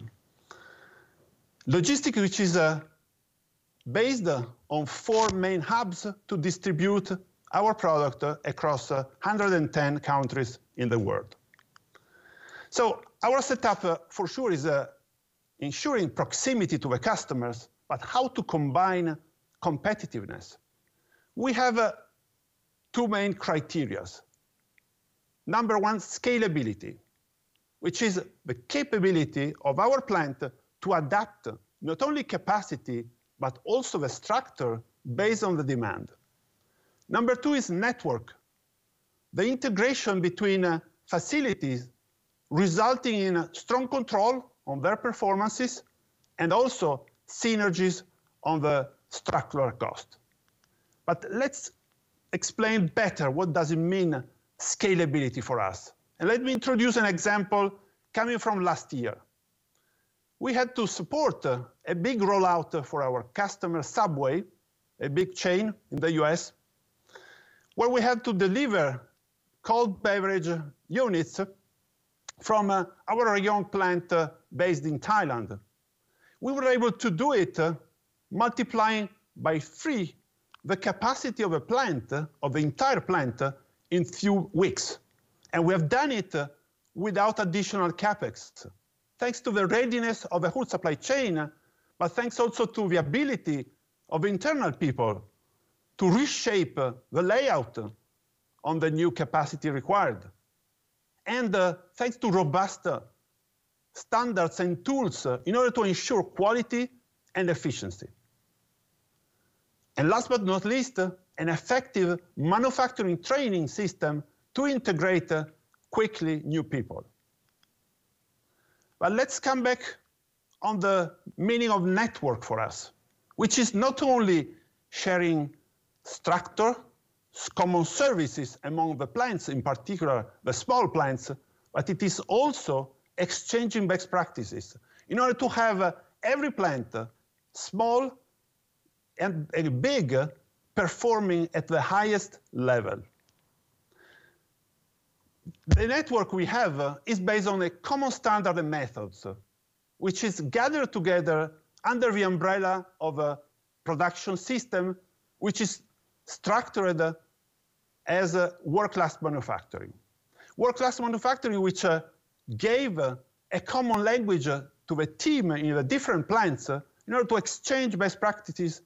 Logistics, which is based on four main hubs to distribute our product across 110 countries in the world. Our setup for sure is ensuring proximity to the customers, but how to combine competitiveness. We have two main criteria. Number 1, scalability, which is the capability of our plant to adapt not only capacity, but also the structure based on the demand. Number 2 is network. The integration between facilities resulting in strong control on their performances and also synergies on the structural cost. Let's explain better what does it mean, scalability for us, and let me introduce an example coming from last year. We had to support a big rollout for our customer, Subway, a big chain in the U.S., where we had to deliver cold beverage units from our own plant based in Thailand. We were able to do it multiplying by three the capacity of the entire plant in few weeks. We have done it without additional CapEx, thanks to the readiness of the whole supply chain, but thanks also to the ability of internal people to reshape the layout on the new capacity required, and thanks to robust standards and tools in order to ensure quality and efficiency. Last but not least, an effective manufacturing training system to integrate quickly new people. Let's come back on the meaning of network for us, which is not only sharing structure, common services among the plants, in particular the small plants, but it is also exchanging best practices in order to have every plant, small and big, performing at the highest level. The network we have is based on a common standard and methods, which is gathered together under the umbrella of a production system, which is structured as a World Class Manufacturing. World-class manufacturing, which gave a common language to the team in the different plants in order to exchange best practices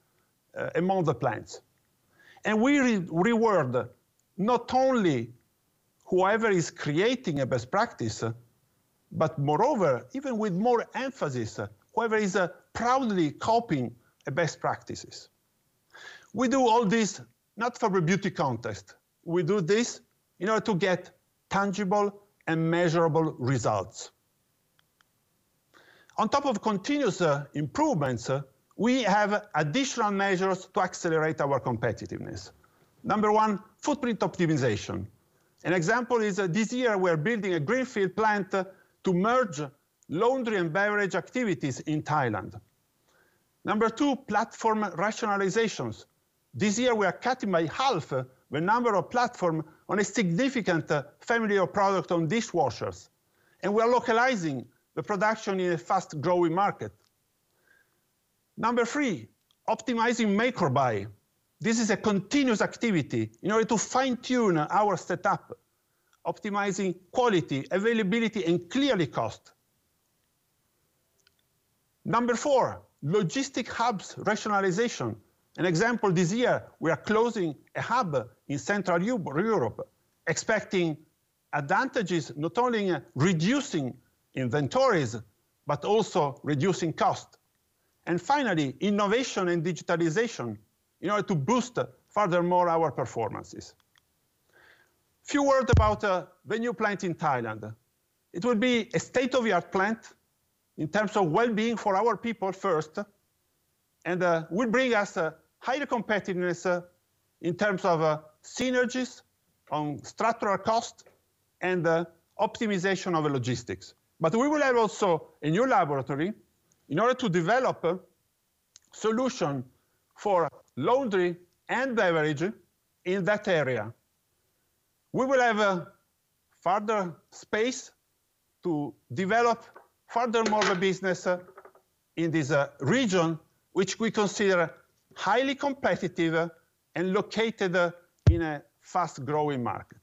among the plants. We reward not only whoever is creating a best practice, but moreover, even with more emphasis, whoever is proudly copying a best practices. We do all this not for a beauty contest. We do this in order to get tangible and measurable results. On top of continuous improvements, we have additional measures to accelerate our competitiveness. Number 1, footprint optimization. An example is this year, we're building a greenfield plant to merge laundry and beverage activities in Thailand. Number 2, platform rationalizations. This year, we are cutting by half the number of platform on a significant family of product on dishwashers, and we're localizing the production in a fast-growing market. Number 3, optimizing make or buy. This is a continuous activity in order to fine-tune our setup, optimizing quality, availability, and clearly cost. Number 4, logistic hubs rationalization. An example, this year, we are closing a hub in Central Europe, expecting advantages not only in reducing inventories, but also reducing cost. Finally, innovation and digitalization in order to boost furthermore our performances. Few word about the new plant in Thailand. It will be a state-of-the-art plant in terms of well-being for our people first, will bring us higher competitiveness in terms of synergies on structural cost and optimization of logistics. We will have also a new laboratory in order to develop solution for laundry and beverage in that area. We will have further space to develop furthermore business in this region, which we consider highly competitive and located in a fast-growing market.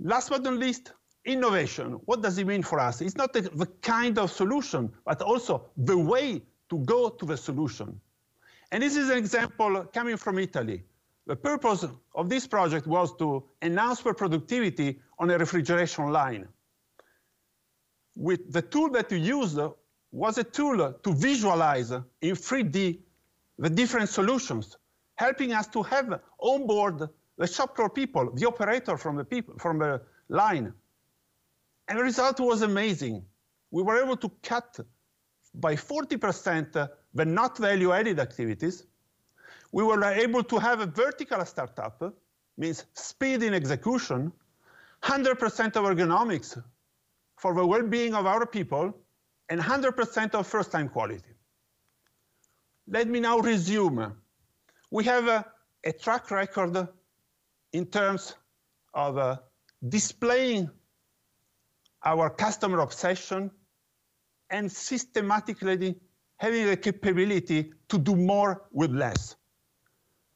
Last but not least, innovation. What does it mean for us? It's not the kind of solution, but also the way to go to the solution. This is an example coming from Italy. The purpose of this project was to enhance productivity on a refrigeration line. With the tool that we used was a tool to visualize in 3D the different solutions, helping us to have onboard the shop floor people, the operator from the line. The result was amazing. We were able to cut by 40% the not value-added activities. We were able to have a vertical start-up, means speed in execution, 100% ergonomics for the well-being of our people, and 100% of first-time quality. Let me now resume. We have a track record in terms of displaying our customer obsession and systematically having the capability to do more with less.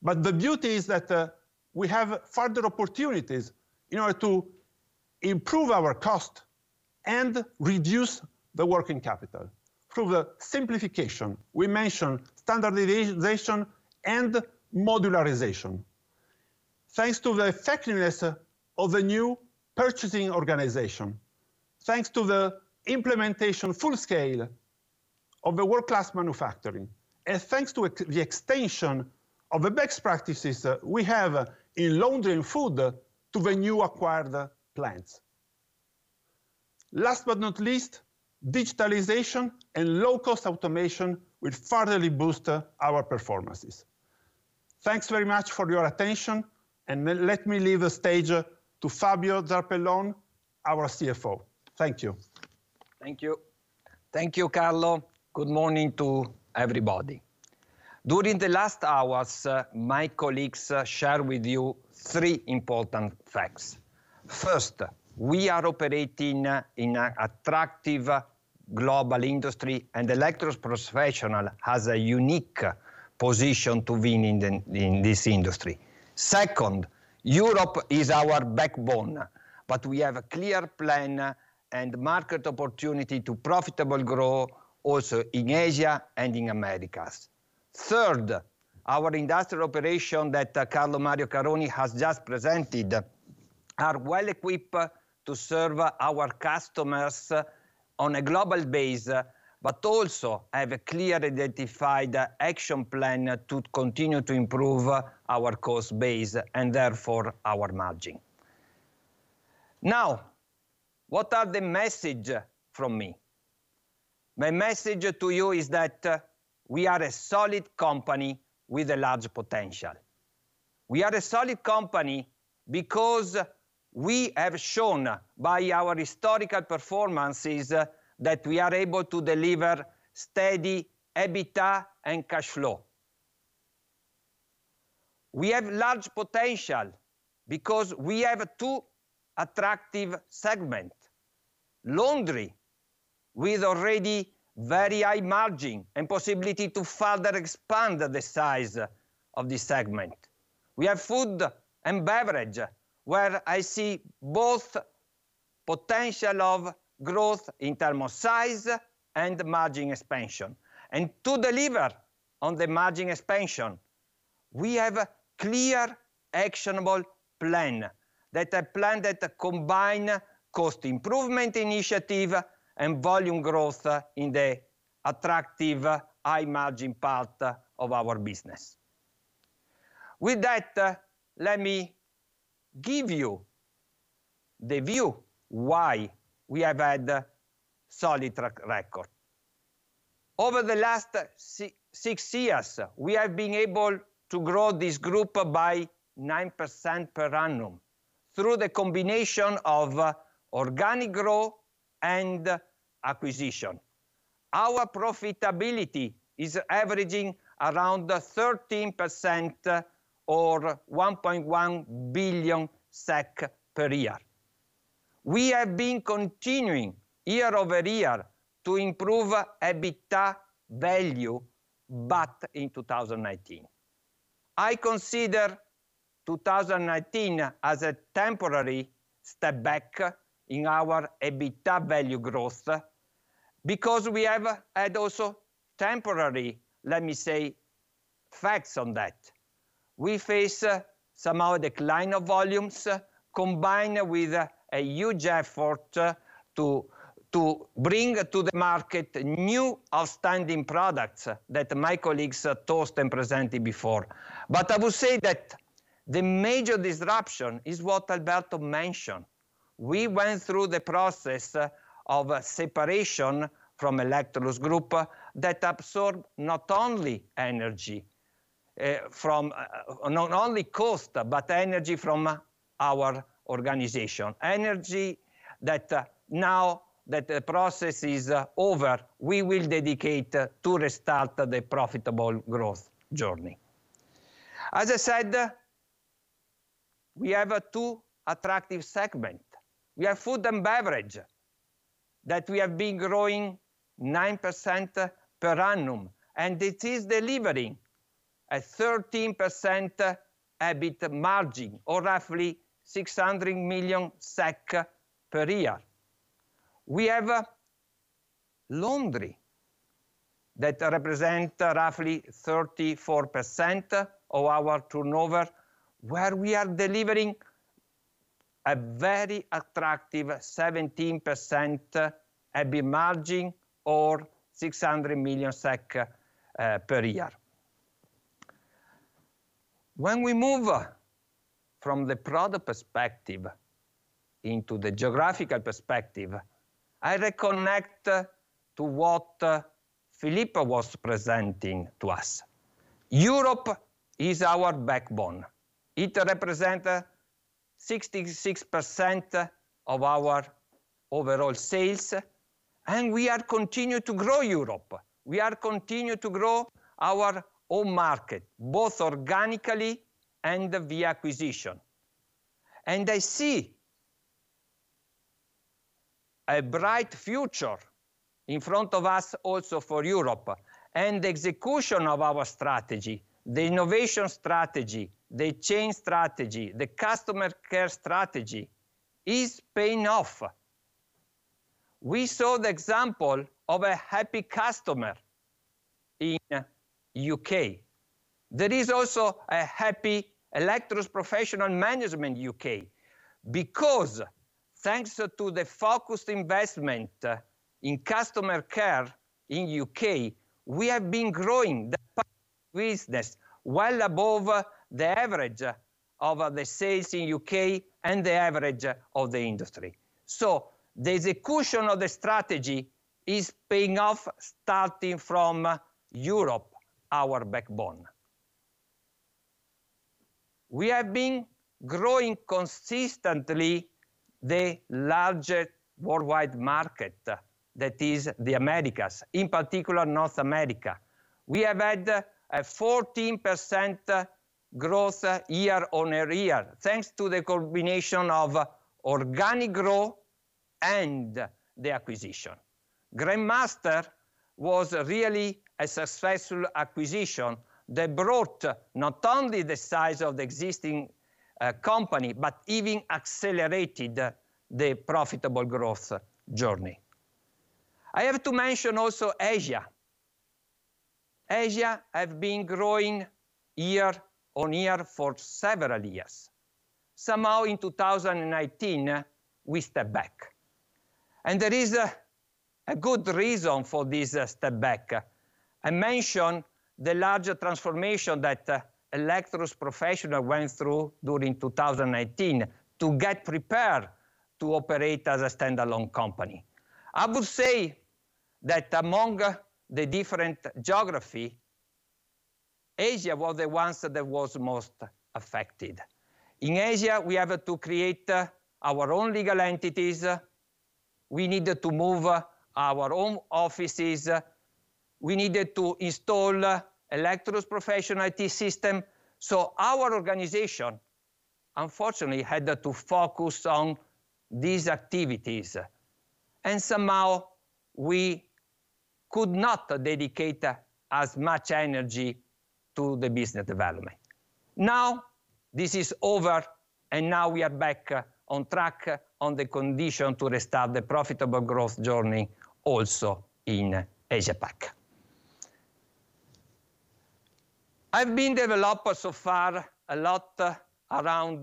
The beauty is that we have further opportunities in order to improve our cost and reduce the working capital through the simplification. We mentioned standardization and modularization. Thanks to the effectiveness of the new purchasing organization, thanks to the implementation full scale of a world-class manufacturing, and thanks to the extension of the best practices we have in laundry and food to the new acquired plants. Last but not least, digitalization and low-cost automation will furtherly boost our performances. Thanks very much for your attention, and let me leave the stage to Fabio Zarpellon, our CFO. Thank you. Thank you. Thank you, Carlo. Good morning to everybody. During the last hours, my colleagues shared with you three important facts. First, we are operating in a attractive global industry, Electrolux Professional has a unique position to win in this industry. Second, Europe is our backbone, we have a clear plan and market opportunity to profitably grow also in Asia and in Americas. Third, our industrial operation that Carlo Mario Caroni has just presented are well-equipped to serve our customers on a global basis, also have a clear identified action plan to continue to improve our cost base, and therefore, our margin. What are the message from me? My message to you is that we are a solid company with a large potential. We are a solid company because we have shown by our historical performances that we are able to deliver steady EBITDA and cash flow. We have large potential because we have two attractive segment: laundry, with already very high margin and possibility to further expand the size of this segment. We have food and beverage, where I see both potential of growth in term of size and margin expansion. To deliver on the margin expansion, we have a clear, actionable plan, that a plan that combine cost improvement initiative and volume growth in the attractive high-margin part of our business. With that, let me give you the view why we have had a solid track record. Over the last six years, we have been able to grow this group by 9% per annum through the combination of organic growth and acquisition. Our profitability is averaging around 13% or 1.1 billion SEK per year. We have been continuing year-over-year to improve EBITDA value, but in 2019, I consider 2019 as a temporary step back in our EBITDA value growth, because we have had also temporary, let me say, facts on that. We face somehow decline of volumes, combined with a huge effort to bring to the market new outstanding products that my colleagues told and presented before. I would say that the major disruption is what Alberto mentioned. We went through the process of separation from Electrolux Group that absorbed not only cost, but energy from our organization. Energy that now that the process is over, we will dedicate to restart the profitable growth journey. As I said, we have two attractive segment. We have food and beverage, that we have been growing 9% per annum, and it is delivering a 13% EBIT margin, or roughly 600 million SEK per year. We have laundry that represent roughly 34% of our turnover, where we are delivering a very attractive 17% EBIT margin or 600 million SEK per year. When we move from the product perspective into the geographical perspective, I reconnect to what Philippe was presenting to us. Europe is our backbone. It represent 66% of our overall sales, and we are continue to grow Europe. We are continue to grow our home market, both organically and via acquisition. I see a bright future in front of us also for Europe, and the execution of our strategy, the innovation strategy, the chain strategy, the customer care strategy, is paying off. We saw the example of a happy customer in U.K. There is also a happy Electrolux Professional management U.K., because thanks to the focused investment in customer care in U.K., we have been growing the business well above the average of the sales in U.K. and the average of the industry. The execution of the strategy is paying off starting from Europe, our backbone. We have been growing consistently the largest worldwide market, that is the Americas, in particular North America. We have had a 14% growth year-over-year thanks to the combination of organic growth and the acquisition. Grindmaster was really a successful acquisition that brought not only the size of the existing company, but even accelerated the profitable growth journey. I have to mention also Asia. Asia have been growing year-over-year for several years. Somehow in 2019, we step back. There is a good reason for this step back. I mentioned the larger transformation that Electrolux Professional went through during 2019 to get prepared to operate as a standalone company. I would say that among the different geography, Asia was the ones that was most affected. In Asia, we have to create our own legal entities. We needed to move our own offices. We needed to install Electrolux Professional IT system. Our organization, unfortunately, had to focus on these activities, and somehow we could not dedicate as much energy to the business development. Now, this is over, and now we are back on track on the condition to restart the profitable growth journey also in Asia Pac. I've been develop so far a lot around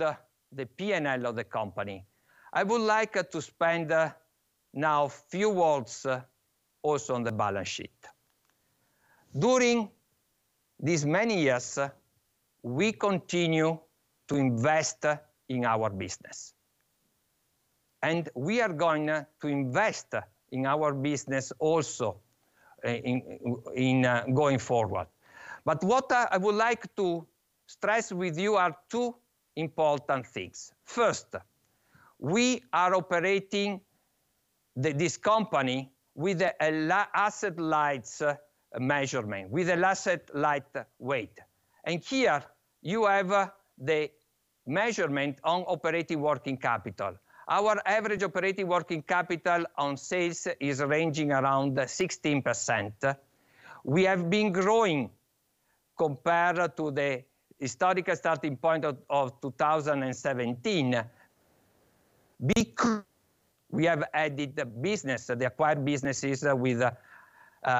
the P&L of the company. I would like to spend now few words also on the balance sheet. During these many years, we continue to invest in our business, and we are going to invest in our business also in going forward. What I would like to stress with you are two important things. First, we are operating this company with asset-light measurement, with asset-light weight. Here you have the measurement on operating working capital. Our average operating working capital on sales is ranging around 16%. We have been growing compared to the historical starting point of 2017, because we have added the business, the acquired businesses, with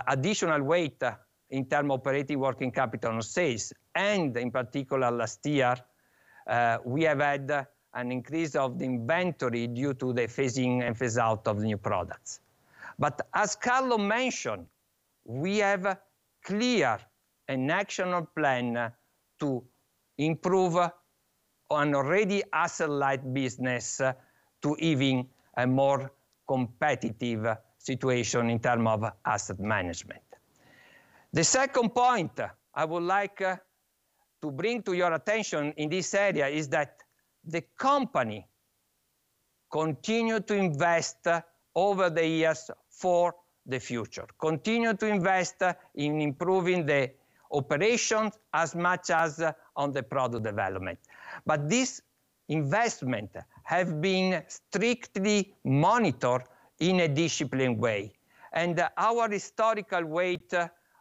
additional weight in term operating working capital on sales, and in particular last year, we have had an increase of the inventory due to the phasing and phase out of new products. As Carlo mentioned, we have clear an action plan to improve on already asset-light business to even a more competitive situation in terms of asset management. The second point I would like to bring to your attention in this area is that the company continue to invest over the years for the future, continue to invest in improving the operations as much as on the product development. This investment have been strictly monitored in a disciplined way, and our historical weight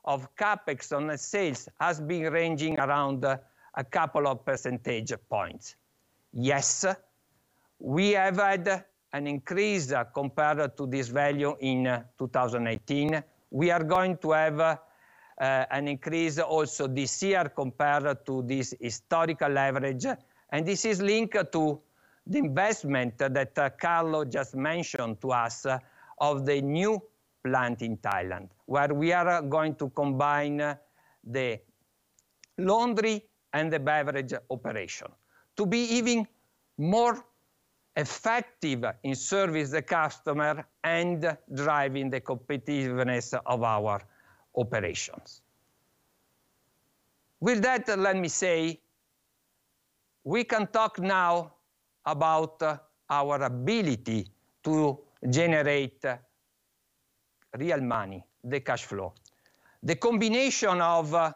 of CapEx on sales has been ranging around 2 percentage points. Yes, we have had an increase compared to this value in 2018. We are going to have an increase also this year compared to this historical average, and this is linked to the investment that Carlo just mentioned to us of the new plant in Thailand, where we are going to combine the laundry and the beverage operation to be even more effective in service the customer and driving the competitiveness of our operations. With that, let me say, we can talk now about our ability to generate real money, the cash flow. The combination of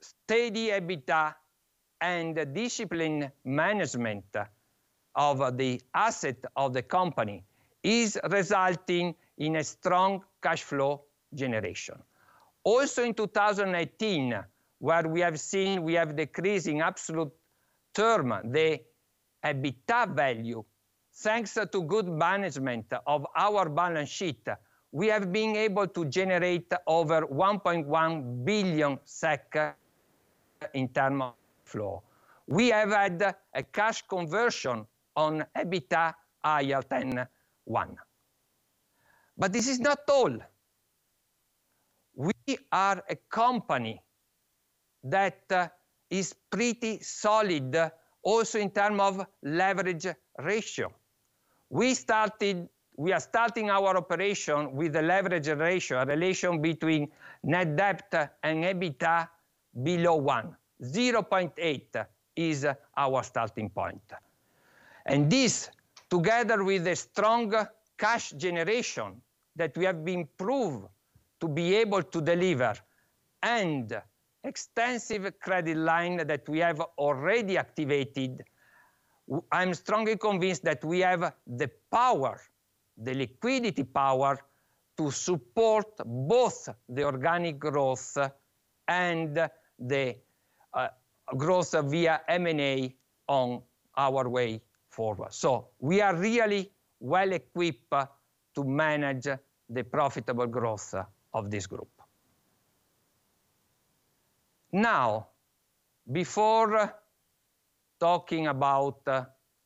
steady EBITDA and discipline management of the asset of the company is resulting in a strong cash flow generation. Also in 2018, where we have seen we have decrease in absolute term the EBITDA value, thanks to good management of our balance sheet, we have been able to generate over 1.1 billion SEK in term of flow. We have had a cash conversion on EBITDA higher than one. This is not all. We are a company that is pretty solid also in terms of leverage ratio. We are starting our operation with a leverage ratio, a relation between net debt and EBITDA below one. 0.8 is our starting point. This, together with a strong cash generation that we have been proved to be able to deliver and extensive credit line that we have already activated, I'm strongly convinced that we have the power, the liquidity power, to support both the organic growth and the growth via M&A on our way forward. We are really well-equipped to manage the profitable growth of this group. Before talking about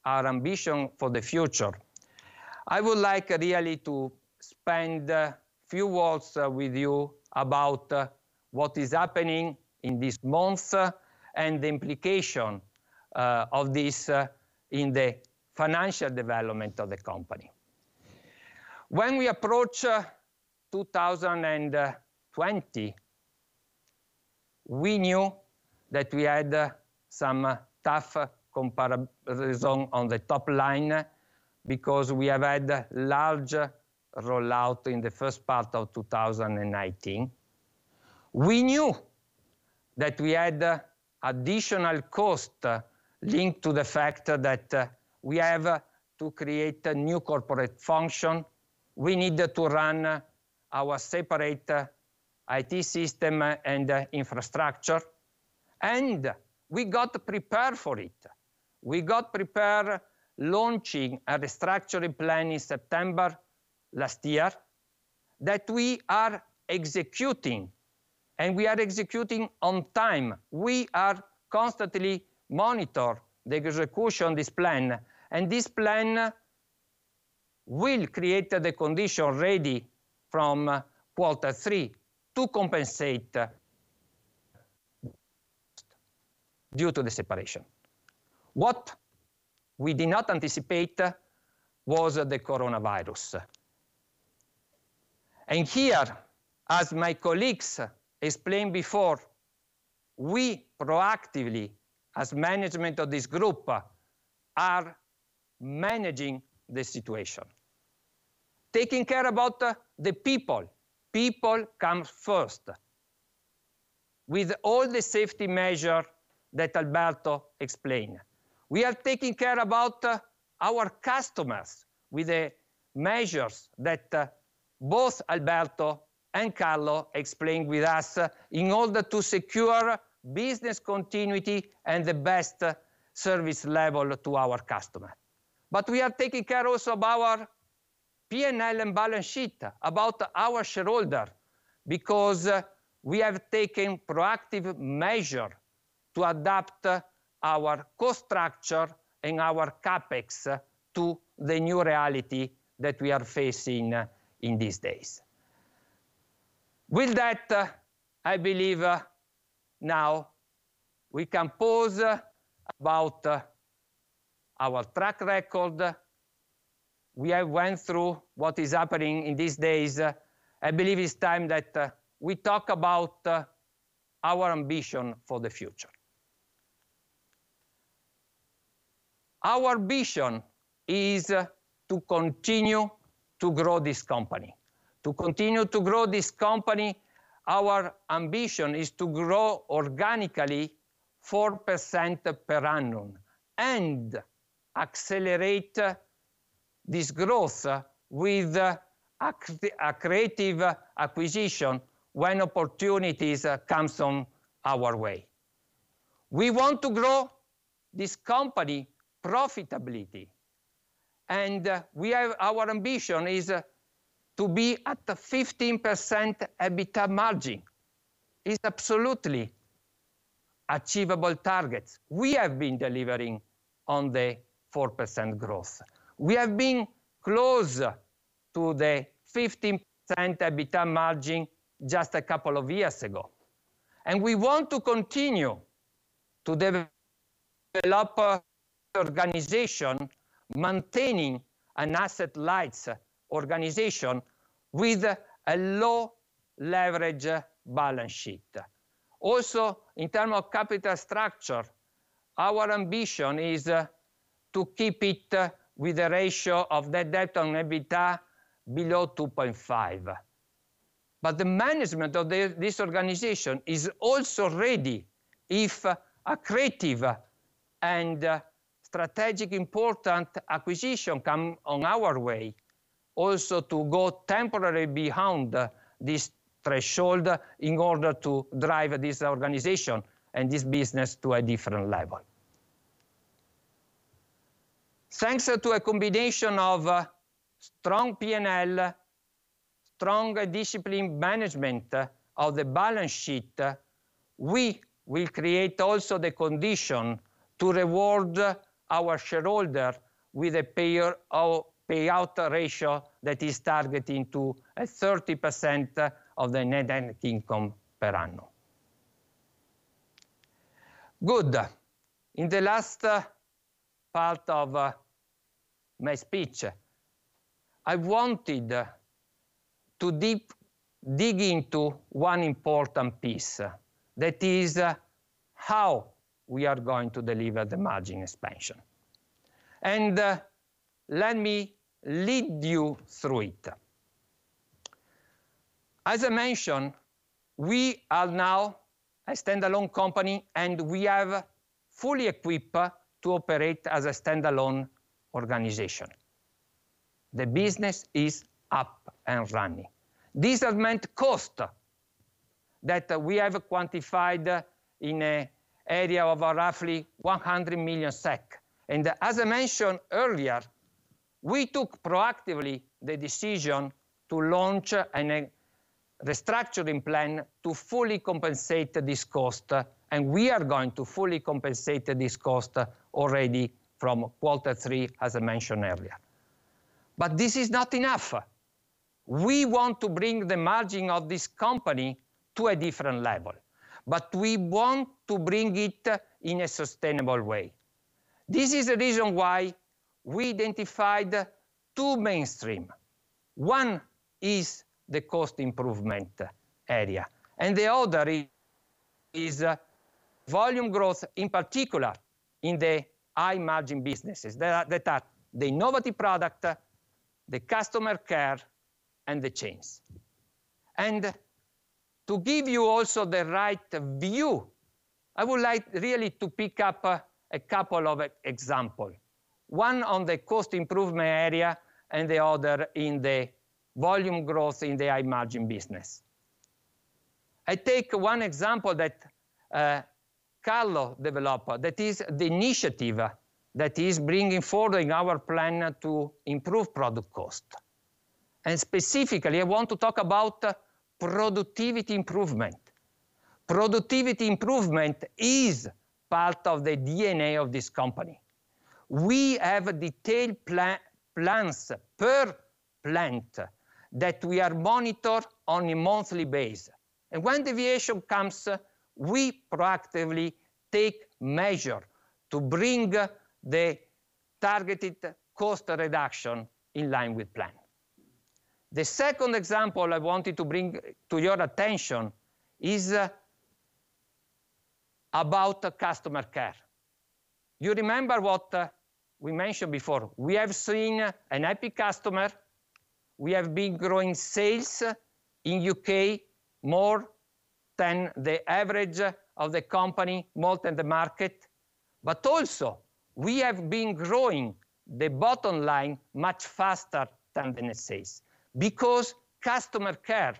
our ambition for the future, I would like really to spend a few words with you about what is happening in these months and the implication of this in the financial development of the company. When we approach 2020, we knew that we had some tough comparison on the top line because we have had large rollout in the first part of 2019. We knew that we had additional cost linked to the fact that we have to create a new corporate function. We need to run our separate IT system and infrastructure. We got prepared for it. We got prepared launching a restructuring plan in September last year that we are executing. We are executing on time. We are constantly monitor the execution of this plan. This plan will create the condition ready from quarter three to compensate due to the separation. What we did not anticipate was the coronavirus. Here, as my colleagues explained before, we proactively, as management of this group, are managing the situation, taking care about the people. People come first, with all the safety measure that Alberto explained. We are taking care about our customers with the measures that both Alberto and Carlo explained with us, in order to secure business continuity and the best service level to our customer. We are taking care also of our P&L and balance sheet, about our shareholder, because we have taken proactive measure to adapt our cost structure and our CapEx to the new reality that we are facing in these days. With that, I believe now we can pause about our track record. We have went through what is happening in these days. I believe it's time that we talk about our ambition for the future. Our ambition is to continue to grow this company. To continue to grow this company, our ambition is to grow organically 4% per annum and accelerate this growth with accretive acquisition when opportunities comes on our way. We want to grow this company profitability, and our ambition is to be at the 15% EBITDA margin. It's absolutely achievable targets. We have been delivering on the 4% growth. We have been close to the 15% EBITDA margin just a couple of years ago. We want to continue to develop our organization, maintaining an asset-light organization with a low leverage balance sheet. Also, in term of capital structure, our ambition is to keep it with a ratio of the debt on EBITDA below 2.5. The management of this organization is also ready, if accretive and strategic important acquisition come on our way, also to go temporarily behind this threshold in order to drive this organization and this business to a different level. Thanks to a combination of strong P&L, strong discipline management of the balance sheet, we will create also the condition to reward our shareholder with a payout ratio that is targeting to a 30% of the net income per annum. Good. In the last part of my speech, I wanted to dig into one important piece, that is how we are going to deliver the margin expansion. Let me lead you through it. As I mentioned, we are now a standalone company, and we are fully equipped to operate as a standalone organization. The business is up and running. This have meant cost that we have quantified in a area of roughly 100 million SEK. As I mentioned earlier, we took proactively the decision to launch a restructuring plan to fully compensate this cost, and we are going to fully compensate this cost already from quarter three, as I mentioned earlier. This is not enough. We want to bring the margin of this company to a different level, but we want to bring it in a sustainable way. This is the reason why we identified two main streams. One is the cost improvement area, and the other is volume growth, in particular in the high-margin businesses, that are the novelty product, the customer care, and the chains. To give you also the right view, I would like really to pick up a couple of examples, one on the cost improvement area, and the other in the volume growth in the high-margin business. I take one example that Carlo developed, that is the initiative that is bringing forward our plan to improve product cost. Specifically, I want to talk about productivity improvement. Productivity improvement is part of the DNA of this company. We have detailed plans per plant that we are monitor on a monthly basis. When deviation comes, we proactively take measures to bring the targeted cost reduction in line with plan. The second example I wanted to bring to your attention is about customer care. You remember what we mentioned before. We have seen a happy customer. We have been growing sales in U.K. more than the average of the company, more than the market. Also we have been growing the bottom line much faster than the necessities because customer care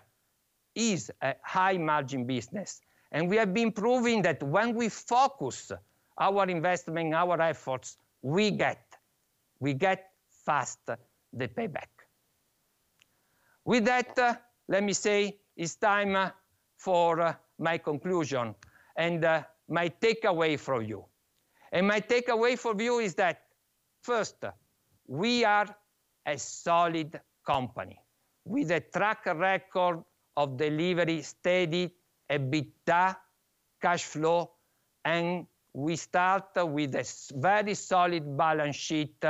is a high-margin business, and we have been proving that when we focus our investment, our efforts, we get fast the payback. With that, let me say it's time for my conclusion and my takeaway from you. My takeaway from you is that, first, we are a solid company with a track record of delivery, steady EBITDA cash flow, and we start with a very solid balance sheet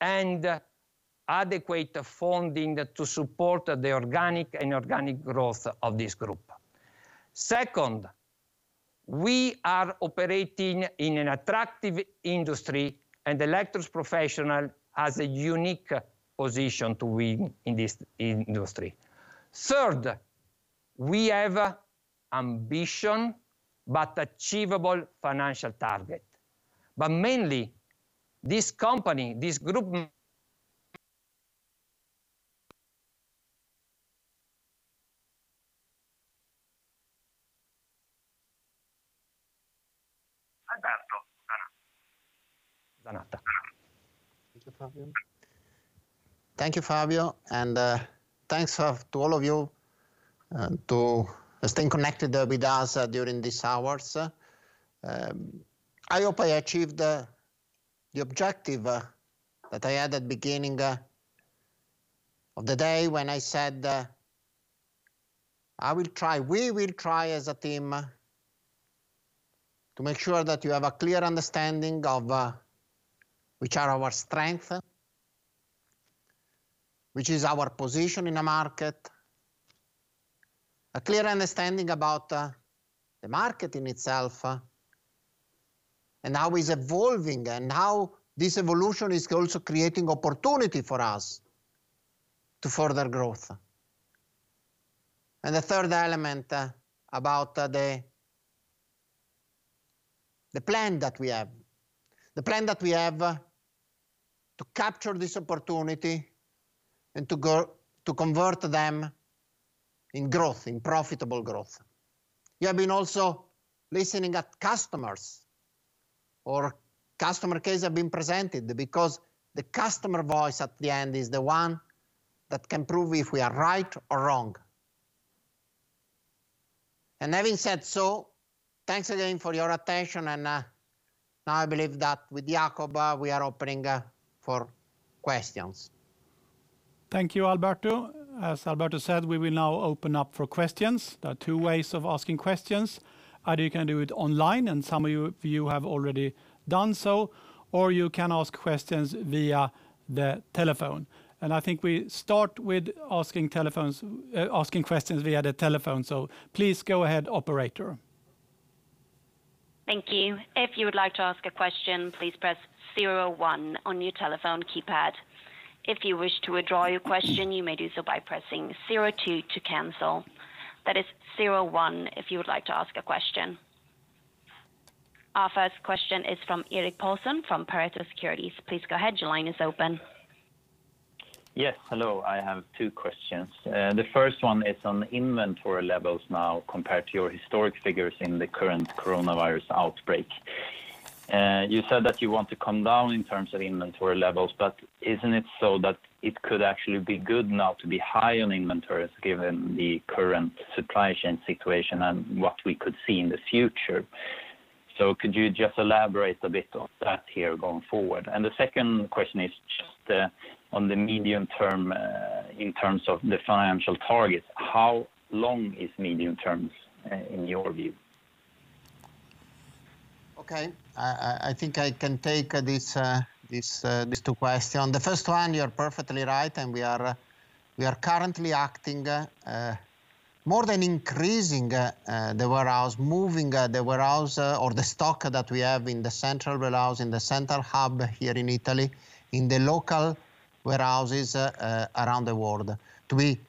and adequate funding to support the organic and inorganic growth of this group. Second, we are operating in an attractive industry, and Electrolux Professional has a unique position to win in this industry. Third, we have ambition, but achievable financial target. Mainly, this company, this group. Alberto Zanata. Whats the problem. Thank you, Fabio, and thanks to all of you to staying connected with us during these hours. I hope I achieved the objective that I had at beginning of the day when I said, "I will try, we will try as a team to make sure that you have a clear understanding of which are our strength, which is our position in the market, a clear understanding about the market in itself, and how is evolving and how this evolution is also creating opportunity for us to further growth." The third element about the plan that we have. The plan that we have to capture this opportunity and to convert them in profitable growth. You have been also listening at customers or customer case have been presented because the customer voice at the end is the one that can prove if we are right or wrong. Having said so, thanks again for your attention and now I believe that with Jacob, we are opening for questions. Thank you, Alberto. As Alberto said, we will now open up for questions. There are two ways of asking questions. Either you can do it online, and some of you have already done so, or you can ask questions via the telephone. I think we start with asking questions via the telephone. Please go ahead, operator. Thank you. If you would like to ask a question, please press zero one on your telephone keypad. If you wish to withdraw your question, you may do so by pressing zero two to cancel. That is zero one if you would like to ask a question. Our first question is from Erik Paulsson from Pareto Securities. Please go ahead. Your line is open. Yes. Hello. I have two questions. The first one is on inventory levels now compared to your historic figures in the current coronavirus outbreak. Isn't it so that it could actually be good now to be high on inventories given the current supply chain situation and what we could see in the future? Could you just elaborate a bit on that here going forward? The second question is just on the medium term, in terms of the financial targets, how long is medium term, in your view? Okay. I think I can take these two questions. The first one, you're perfectly right, we are currently acting, more than increasing the warehouse, moving the warehouse or the stock that we have in the central warehouse, in the central hub here in Italy, in the local warehouses around the world to be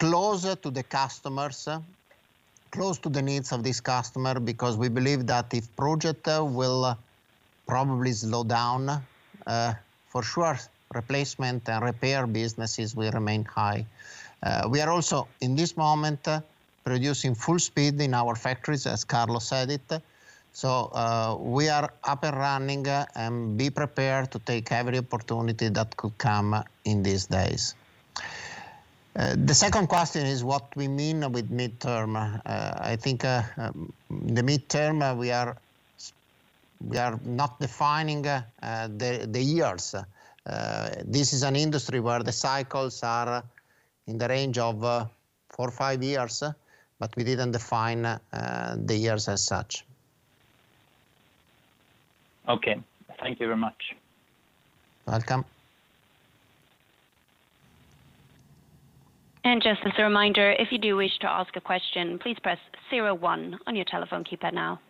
closer to the customers, close to the needs of this customer, because we believe that if project will probably slow down, for sure replacement and repair businesses will remain high. We are also, in this moment, producing full speed in our factories, as Carlo said it. We are up and running and be prepared to take every opportunity that could come in these days. The second question is what we mean with mid-term. I think, the mid-term, we are not defining the years. This is an industry where the cycles are In the range of four or five years, we didn't define the years as such. Okay. Thank you very much. Welcome. Just as a reminder, if you do wish to ask a question, please press zero one on your telephone keypad now.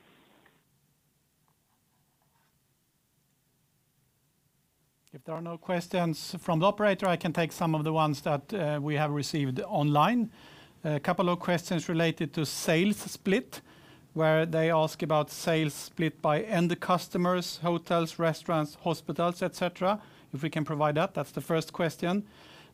If there are no questions from the operator, I can take some of the ones that we have received online. A couple of questions related to sales split, where they ask about sales split by end customers, hotels, restaurants, hospitals, et cetera. If we can provide that? That is the first question.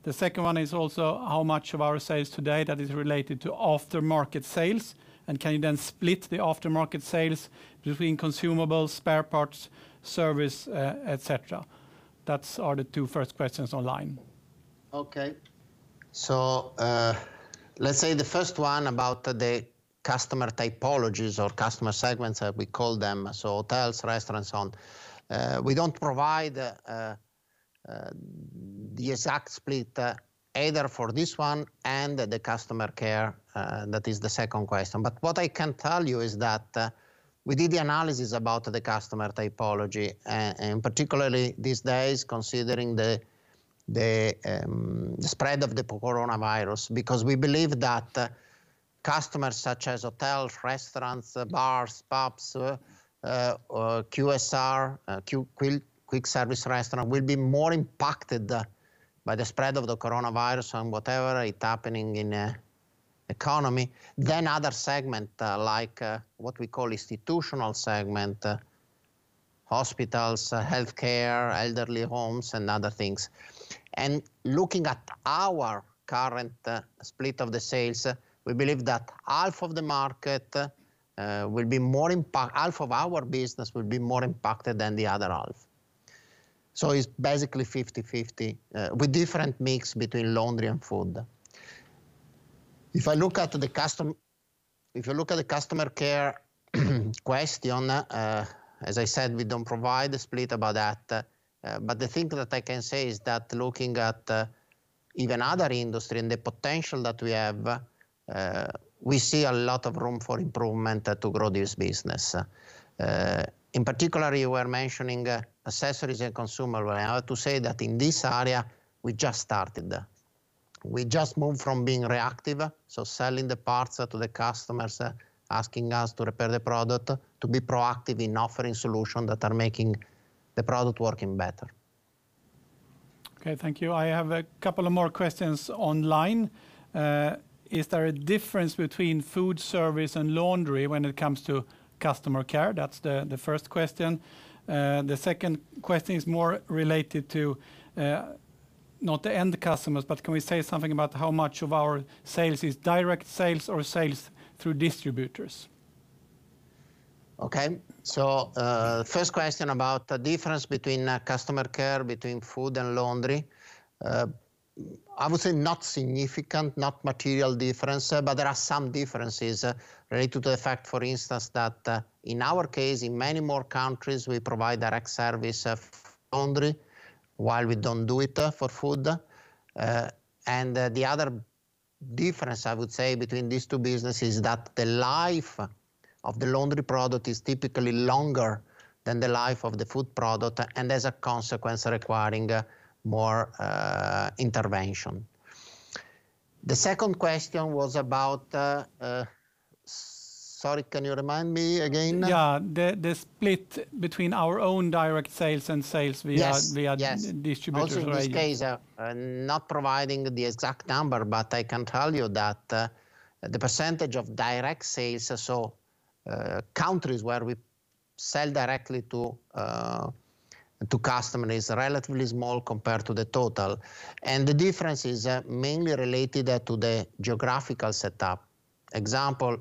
The second one is also how much of our sales today that is related to aftermarket sales, and can you then split the aftermarket sales between consumables, spare parts, service, et cetera? Those are the two first questions online. Let's say the first one about the customer typologies or customer segments, we call them. Hotels, restaurants, so on. We don't provide the exact split either for this one and the customer care, that is the second question. What I can tell you is that we did the analysis about the customer typology, and particularly these days, considering the spread of the coronavirus, because we believe that customers such as hotels, restaurants, bars, pubs, or QSR, quick service restaurant, will be more impacted by the spread of the coronavirus on whatever is happening in economy than other segment like what we call institutional segment, hospitals, healthcare, elderly homes, and other things. Looking at our current split of the sales, we believe that half of our business will be more impacted than the other half. It's basically 50/50, with different mix between laundry and food. If you look at the customer care question, as I said, we don't provide the split about that. The thing that I can say is that looking at even other industries and the potential that we have, we see a lot of room for improvement to grow this business. In particular, we're mentioning accessories and consumer. I have to say that in this area, we just started. We just moved from being reactive, so selling the parts to the customers, asking us to repair the product, to be proactive in offering solutions that are making the product working better. Okay, thank you. I have a couple of more questions online. Is there a difference between food service and laundry when it comes to customer care? That is the first question. The second question is more related to, not end customers, but can we say something about how much of our sales is direct sales or sales through distributors? First question about the difference between customer care between food and laundry. I would say not significant, not material difference, but there are some differences related to the fact, for instance, that in our case, in many more countries, we provide direct service of laundry while we don't do it for food. The other difference, I would say, between these two businesses, that the life of the laundry product is typically longer than the life of the food product, and as a consequence, requiring more intervention. The second question was about Sorry, can you remind me again? Yeah. The split between our own direct sales and sales via Yes Distributors. In this case, not providing the exact number, but I can tell you that the percentage of direct sales, so countries where we sell directly to customer, is relatively small compared to the total, and the difference is mainly related to the geographical setup. Example,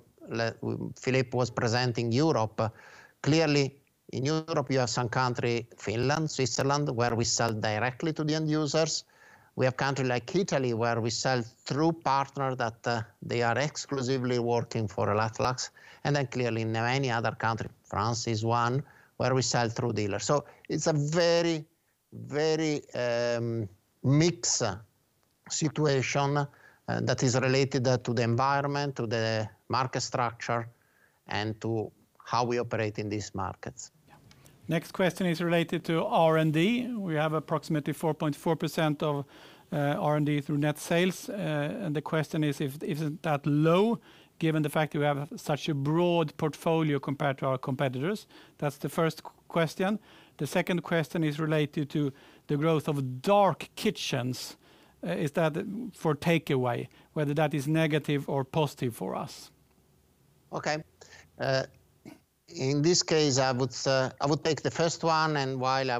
Philippe was presenting Europe. Clearly, in Europe, you have some country, Finland, Switzerland, where we sell directly to the end users. We have country like Italy where we sell through partner that they are exclusively working for Electrolux, then clearly many other country, France is one, where we sell through dealers. It's a very mixed situation that is related to the environment, to the market structure, and to how we operate in these markets. Yeah. Next question is related to R&D. We have approximately 4.4% of R&D through net sales. The question is if isn't that low given the fact that we have such a broad portfolio compared to our competitors? That's the first question. The second question is related to the growth of dark kitchens. Is that for takeaway, whether that is negative or positive for us? Okay. In this case, I would take the first one, while I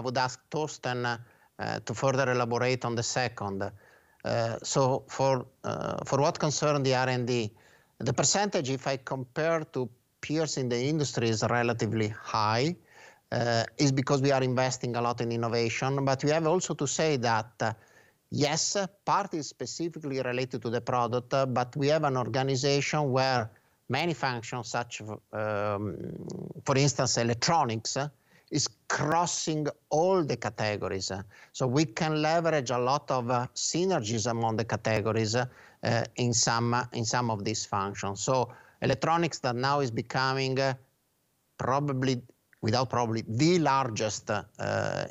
would ask Torsten to further elaborate on the second. For what concern the R&D, the percentage, if I compare to peers in the industry is relatively high is because we are investing a lot in innovation. We have also to say that, yes, part is specifically related to the product, but we have an organization where many functions such, for instance, electronics, is crossing all the categories. We can leverage a lot of synergies among the categories in some of these functions. Electronics that now is becoming, without probably, the largest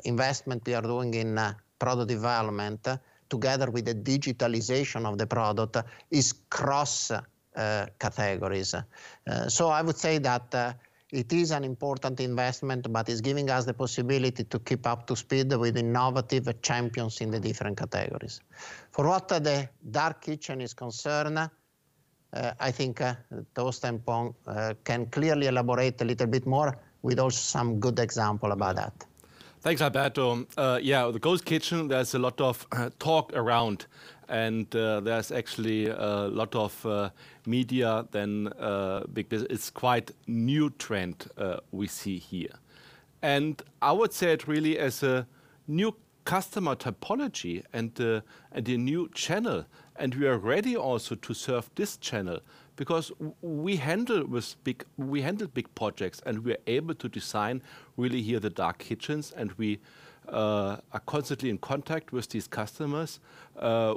investment we are doing in product development together with the digitalization of the product is cross-categories. I would say that it is an important investment, but is giving us the possibility to keep up to speed with innovative champions in the different categories. For what the dark kitchen is concerned, I think Torsten Urban can clearly elaborate a little bit more with also some good example about that. Thanks, Alberto. Yeah, the ghost kitchen, there's a lot of talk around. There's actually a lot of media then, because it's quite new trend we see here. I would say it really as a new customer typology and a new channel. We are ready also to serve this channel because we handle big projects. We are able to design really here the dark kitchens. We are constantly in contact with these customers.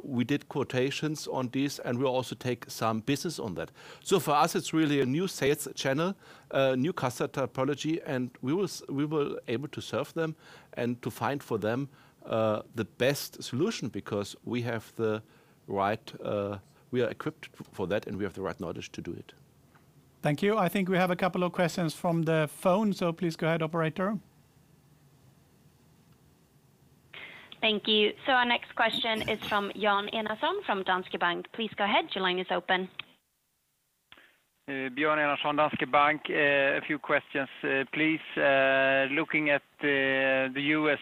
We did quotations on this. We also take some business on that. For us, it's really a new sales channel, a new customer typology. We were able to serve them and to find for them the best solution because we are equipped for that and we have the right knowledge to do it. Thank you. I think we have a couple of questions from the phone, so please go ahead, operator. Thank you. Our next question is from Björn Enarson from Danske Bank. Please go ahead. Your line is open. Björn Enarson, Danske Bank. A few questions, please. Looking at the U.S.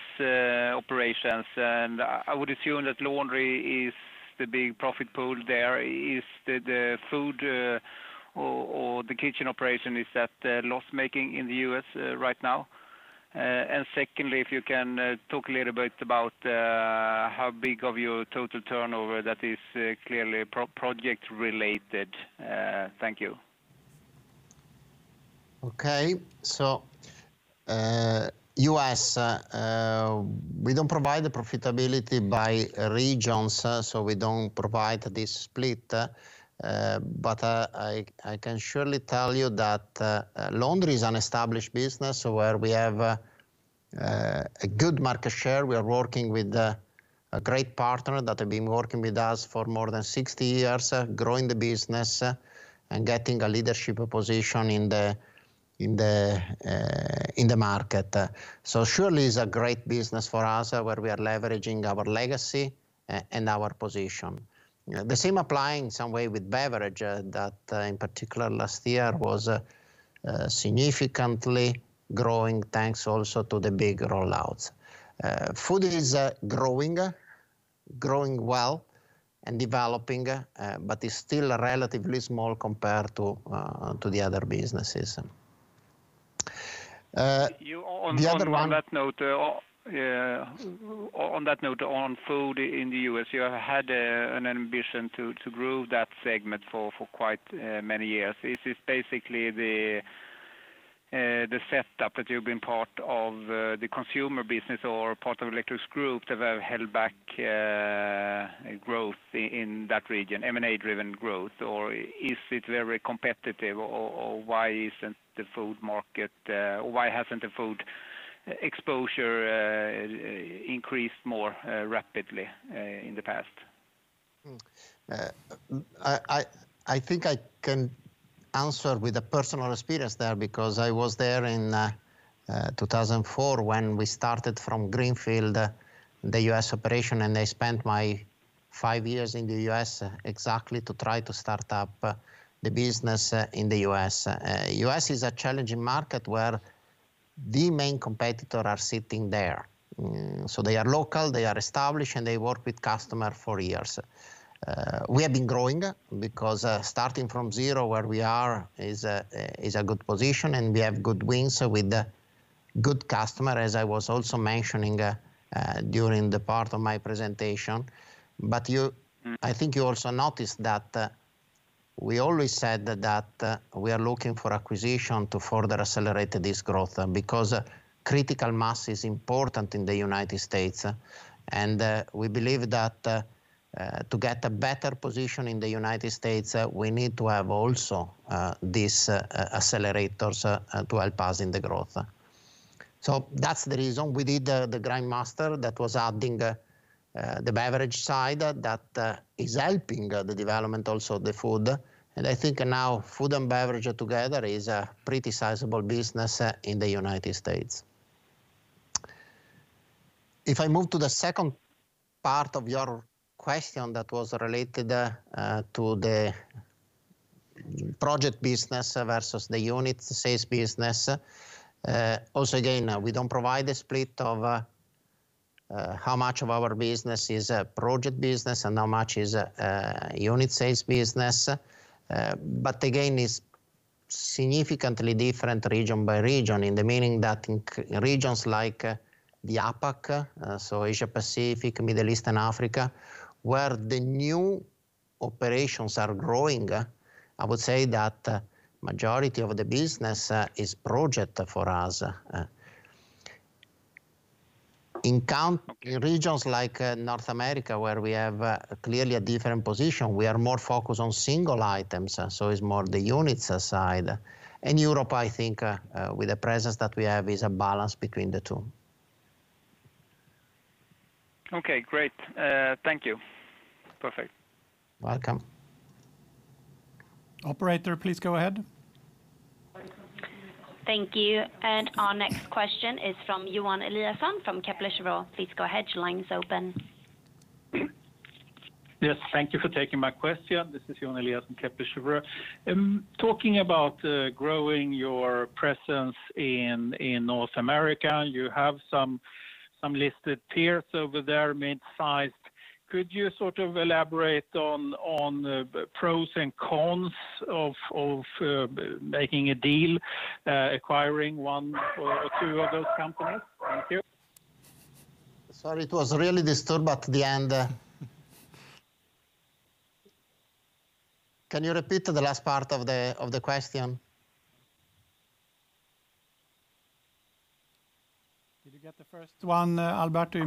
operations, and I would assume that laundry is the big profit pool there. Is the food or the kitchen operation, is that loss-making in the U.S. right now? Secondly, if you can talk a little bit about how big of your total turnover that is clearly project related. Thank you. U.S. we don't provide the profitability by regions, we don't provide this split. I can surely tell you that laundry is an established business where we have a good market share. We are working with a great partner that have been working with us for more than 60 years, growing the business and getting a leadership position in the market. Surely is a great business for us, where we are leveraging our legacy and our position. The same applying some way with beverage, that in particular last year was significantly growing, thanks also to the big rollouts. Food is growing well and developing, is still relatively small compared to the other businesses. On that note on food in the U.S., you have had an ambition to grow that segment for quite many years. Is this basically the setup that you've been part of the consumer business or part of Electrolux Group that have held back growth in that region, M&A-driven growth, or is it very competitive, or why hasn't the food exposure increased more rapidly in the past? I think I can answer with a personal experience there because I was there in 2004 when we started from greenfield, the U.S. operation, and I spent my five years in the U.S. exactly to try to start up the business in the U.S. U.S. is a challenging market where the main competitor are sitting there. They are local, they are established, and they work with customer for years. We have been growing because starting from zero where we are is a good position, and we have good wins with good customer, as I was also mentioning during the part of my presentation. I think you also noticed that we always said that we are looking for acquisition to further accelerate this growth because critical mass is important in the United States. We believe that to get a better position in the United States, we need to have also these accelerators to help us in the growth. That's the reason we did the Grindmaster that was adding the beverage side that is helping the development also of the food. I think now food and beverage together is a pretty sizable business in the United States. If I move to the second part of your question that was related to the project business versus the unit sales business. Again, we don't provide a split of how much of our business is project business and how much is unit sales business? Again, it's significantly different region by region, in the meaning that in regions like the APAC, so Asia-Pacific, Middle East, and Africa, where the new operations are growing, I would say that majority of the business is project for us. In regions like North America, where we have clearly a different position, we are more focused on single items, so it's more the units side. In Europe, I think, with the presence that we have, is a balance between the two. Okay, great. Thank you. Perfect. Welcome. Operator, please go ahead. Thank you. Our next question is from Johan Eliason from Kepler Cheuvreux. Please go ahead, your line is open. Yes, thank you for taking my question. This is Johan Eliason, Kepler Cheuvreux. Talking about growing your presence in North America, you have some listed peers over there, mid-sized. Could you sort of elaborate on the pros and cons of making a deal, acquiring one or two of those companies? Thank you. Sorry, it was really disturbed at the end. Can you repeat the last part of the question? Did you get the first one, Alberto?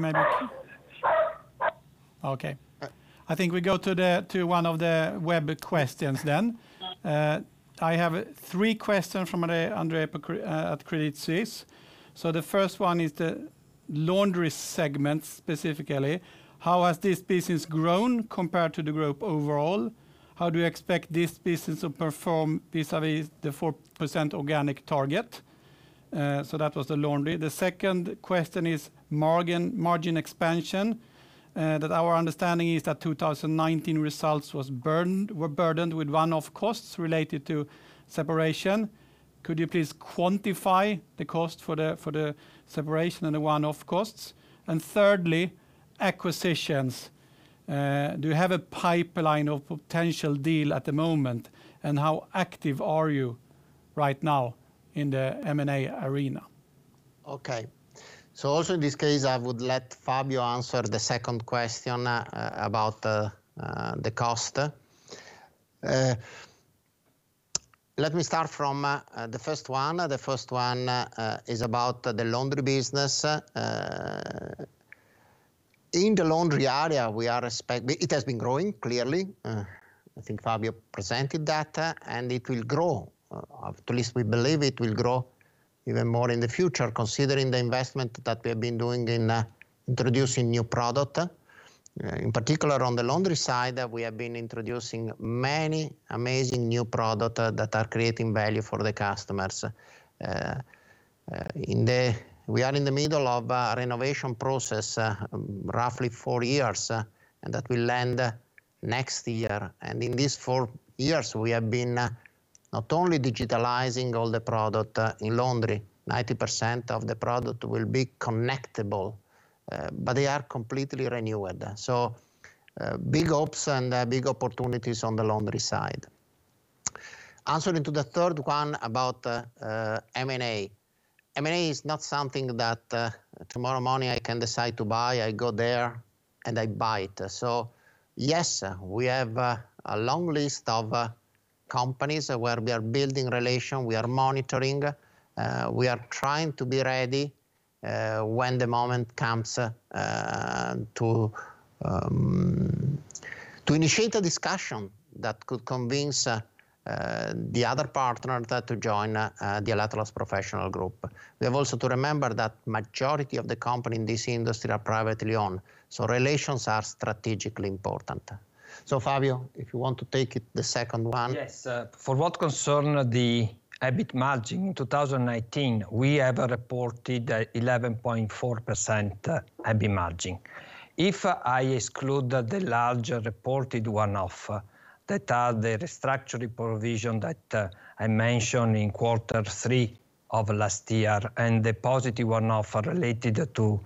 Okay. I think we go to one of the web questions then. I have three questions from Andre at Credit Suisse. The first one is the laundry segment, specifically. How has this business grown compared to the group overall? How do you expect this business to perform vis-à-vis the 4% organic target? That was the laundry. The second question is margin expansion, that our understanding is that 2019 results were burdened with one-off costs related to separation. Could you please quantify the cost for the separation and the one-off costs? Thirdly, acquisitions. Do you have a pipeline of potential deal at the moment, and how active are you right now in the M&A arena? Okay. Also in this case, I would let Fabio answer the second question about the cost. Let me start from the first one. The first one is about the laundry business. In the laundry area, it has been growing, clearly. I think Fabio presented that, and it will grow. At least we believe it will grow even more in the future, considering the investment that we have been doing in introducing new product. In particular on the laundry side, we have been introducing many amazing new product that are creating value for the customers. We are in the middle of a renovation process, roughly four years, and that will end next year. In these four years, we have been not only digitalizing all the product in laundry, 90% of the product will be connectable, but they are completely renewed. Big hopes and big opportunities on the laundry side. Answering to the third one about M&A. M&A is not something that tomorrow morning I can decide to buy, I go there and I buy it. Yes, we have a long list of companies where we are building relation, we are monitoring. We are trying to be ready when the moment comes to initiate a discussion that could convince the other partner to join the Electrolux Professional Group. We have also to remember that majority of the company in this industry are privately owned, so relations are strategically important. Fabio, if you want to take it, the second one. Yes. For what concern the EBIT margin, 2019, we have reported 11.4% EBIT margin. If I exclude the large reported one-off that are the restructuring provision that I mentioned in quarter three of last year, and the positive one-off related to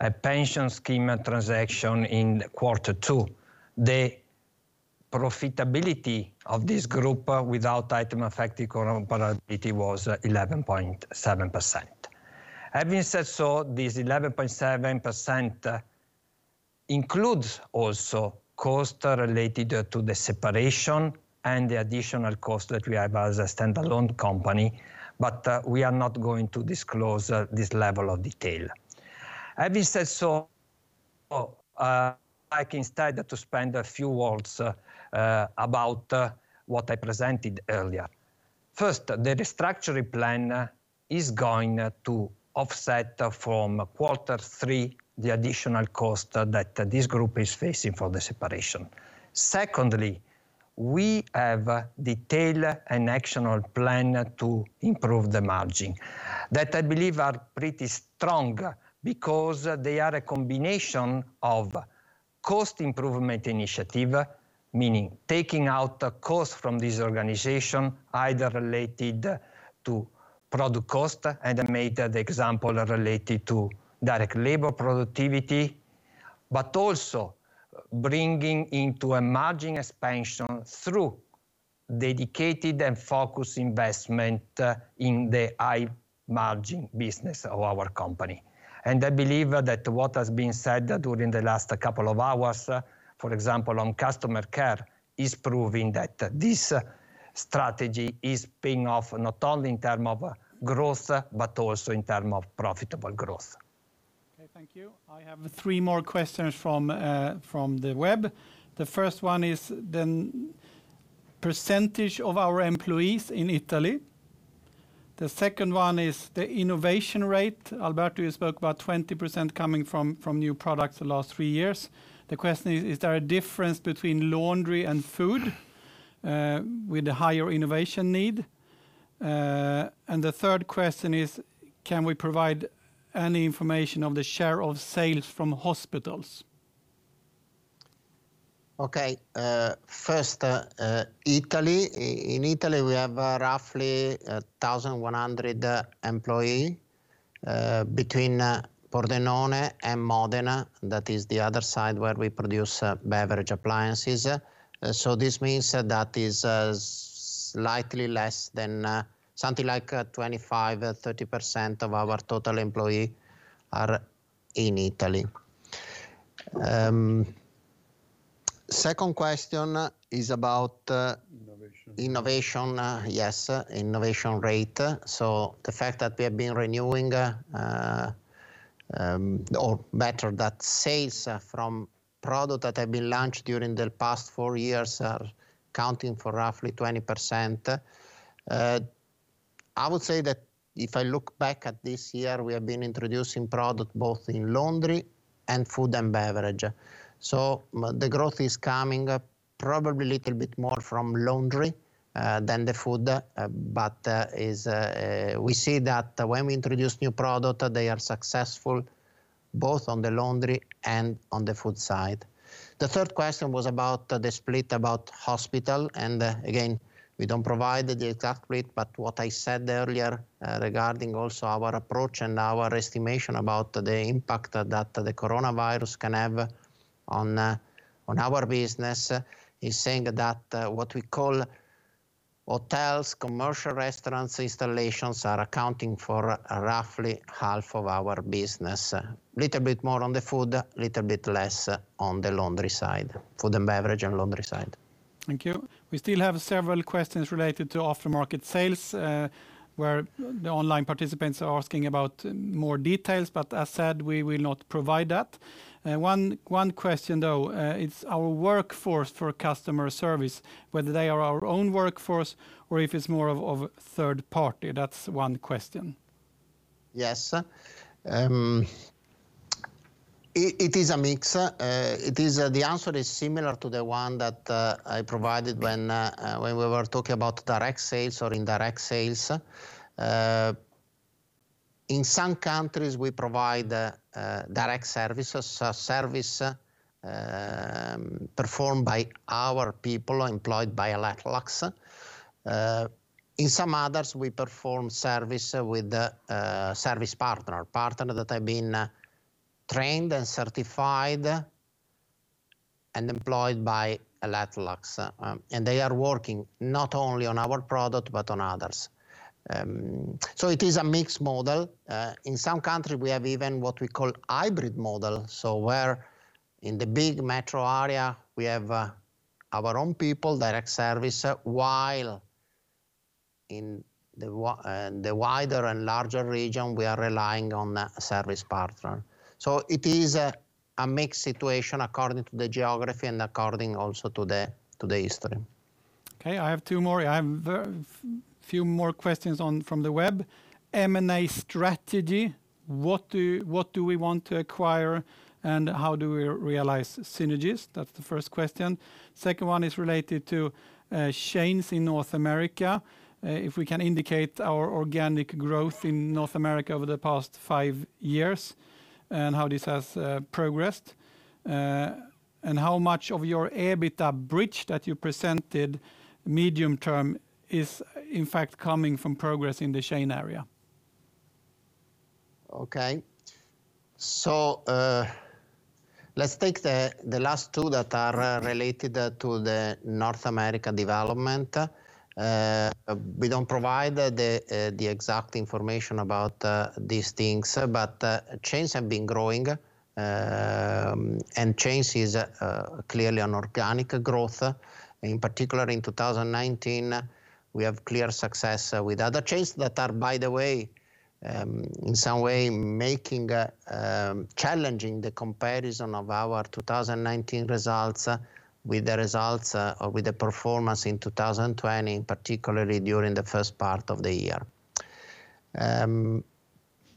a pension scheme transaction in quarter two, the profitability of this group without items affect profitability was 11.7%. Having said so, this 11.7% includes also cost related to the separation and the additional cost that we have as a standalone company. We are not going to disclose this level of detail. Having said so, I can start to spend a few words about what I presented earlier. First, the restructuring plan is going to offset from quarter three, the additional cost that this group is facing for the separation. Secondly, we have detailed an actionable plan to improve the margin that I believe are pretty strong because they are a combination of. Cost improvement initiative, meaning taking out the cost from this organization, either related to product cost, I made the example related to direct labor productivity, also bringing into a margin expansion through dedicated and focused investment in the high margin business of our company. I believe that what has been said during the last couple of hours, for example, on customer care, is proving that this strategy is paying off, not only in terms of growth, but also in terms of profitable growth. Okay, thank you. I have three more questions from the web. The first one is the % of our employees in Italy. The second one is the innovation rate. Alberto, you spoke about 20% coming from new products the last three years. The question is: Is there a difference between laundry and food with the higher innovation need? The third question is: Can we provide any information of the share of sales from hospitals? Okay. First, Italy. In Italy, we have roughly 1,100 employees between Pordenone and Modena, that is the other site where we produce beverage appliances. This means that is slightly less than something like 25%-30% of our total employees are in Italy. Second question is about Innovation Innovation. Yes, innovation rate. The fact that we have been renewing, or better, that sales from product that have been launched during the past four years are accounting for roughly 20%. I would say that if I look back at this year, we have been introducing product both in laundry and food and beverage. The growth is coming probably a little bit more from laundry than the food. We see that when we introduce new product, they are successful both on the laundry and on the food side. The third question was about the split about hospital, and again, we don't provide the exact rate, but what I said earlier regarding also our approach and our estimation about the impact that the coronavirus can have on our business is saying that what we call hotels, commercial restaurants, installations, are accounting for roughly half of our business. Little bit more on the food, little bit less on the laundry side, food and beverage and laundry side. Thank you. We still have several questions related to aftermarket sales, where the online participants are asking about more details, but as said, we will not provide that. One question, though, it's our workforce for customer service, whether they are our own workforce or if it's more of a third party. That's one question. Yes. It is a mix. The answer is similar to the one that I provided when we were talking about direct sales or indirect sales. In some countries, we provide direct services, service performed by our people employed by Electrolux. In some others, we perform service with a service partner that have been trained and certified and employed by Electrolux. They are working not only on our product but on others. It is a mixed model. In some countries, we have even what we call hybrid model, so where in the big metro area, we have our own people, direct service, while in the wider and larger region, we are relying on a service partner. It is a mixed situation according to the geography and according also to the history. Okay, I have two more. I have a few more questions from the web. M&A strategy, what do we want to acquire and how do we realize synergies? That's the first question. Second one is related to chains in North America, if we can indicate our organic growth in North America over the past five years and how this has progressed. How much of your EBITDA bridge that you presented medium term is in fact coming from progress in the chain area? Okay. Let's take the last two that are related to the North America development. We don't provide the exact information about these things. Chains have been growing, chains is clearly an organic growth. In particular, in 2019, we have clear success with other chains that are, by the way, in some way, challenging the comparison of our 2019 results with the results or with the performance in 2020, particularly during the first part of the year.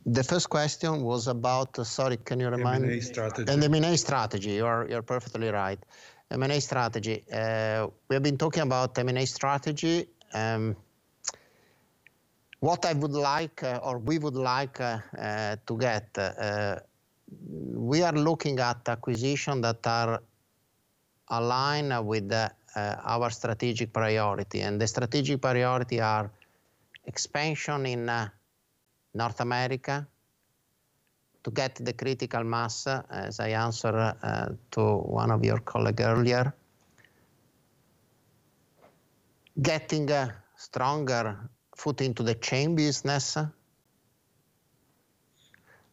The first question was about Sorry, can you remind me? M&A strategy. M&A strategy. You are perfectly right. M&A strategy. What we would like to get, we are looking at acquisitions that are aligned with our strategic priority, and the strategic priority are expansion in North America to get the critical mass, as I answered to one of your colleagues earlier. Getting a stronger foot into the chain business.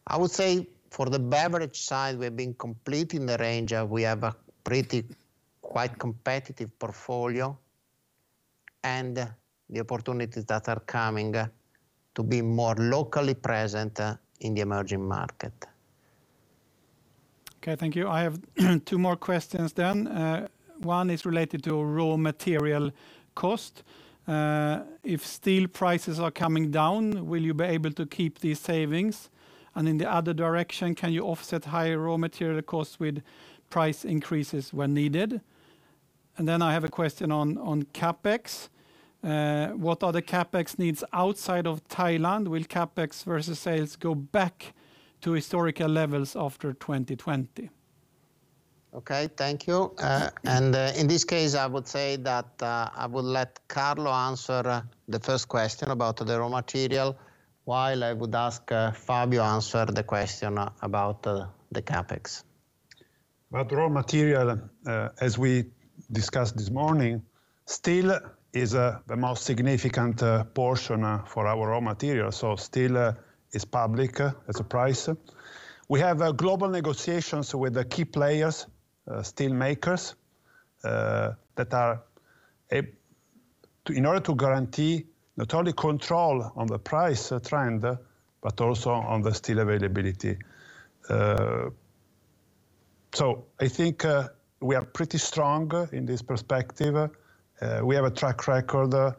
I would say for the beverage side, we have been completing the range. We have a pretty quite competitive portfolio, and the opportunities that are coming to be more locally present in the emerging market. Okay, thank you. I have two more questions. One is related to raw material cost. If steel prices are coming down, will you be able to keep these savings? In the other direction, can you offset higher raw material costs with price increases when needed? I have a question on CapEx. What are the CapEx needs outside of Thailand? Will CapEx versus sales go back to historical levels after 2020? Okay, thank you. In this case, I would say that I will let Carlo answer the first question about the raw material, while I would ask Fabio to answer the question about the CapEx. About raw material, as we discussed this morning, steel is the most significant portion for our raw material. Steel is public as a price. We have global negotiations with the key players, steel makers, in order to guarantee not only control on the price trend but also on the steel availability. I think we are pretty strong in this perspective. We have a track record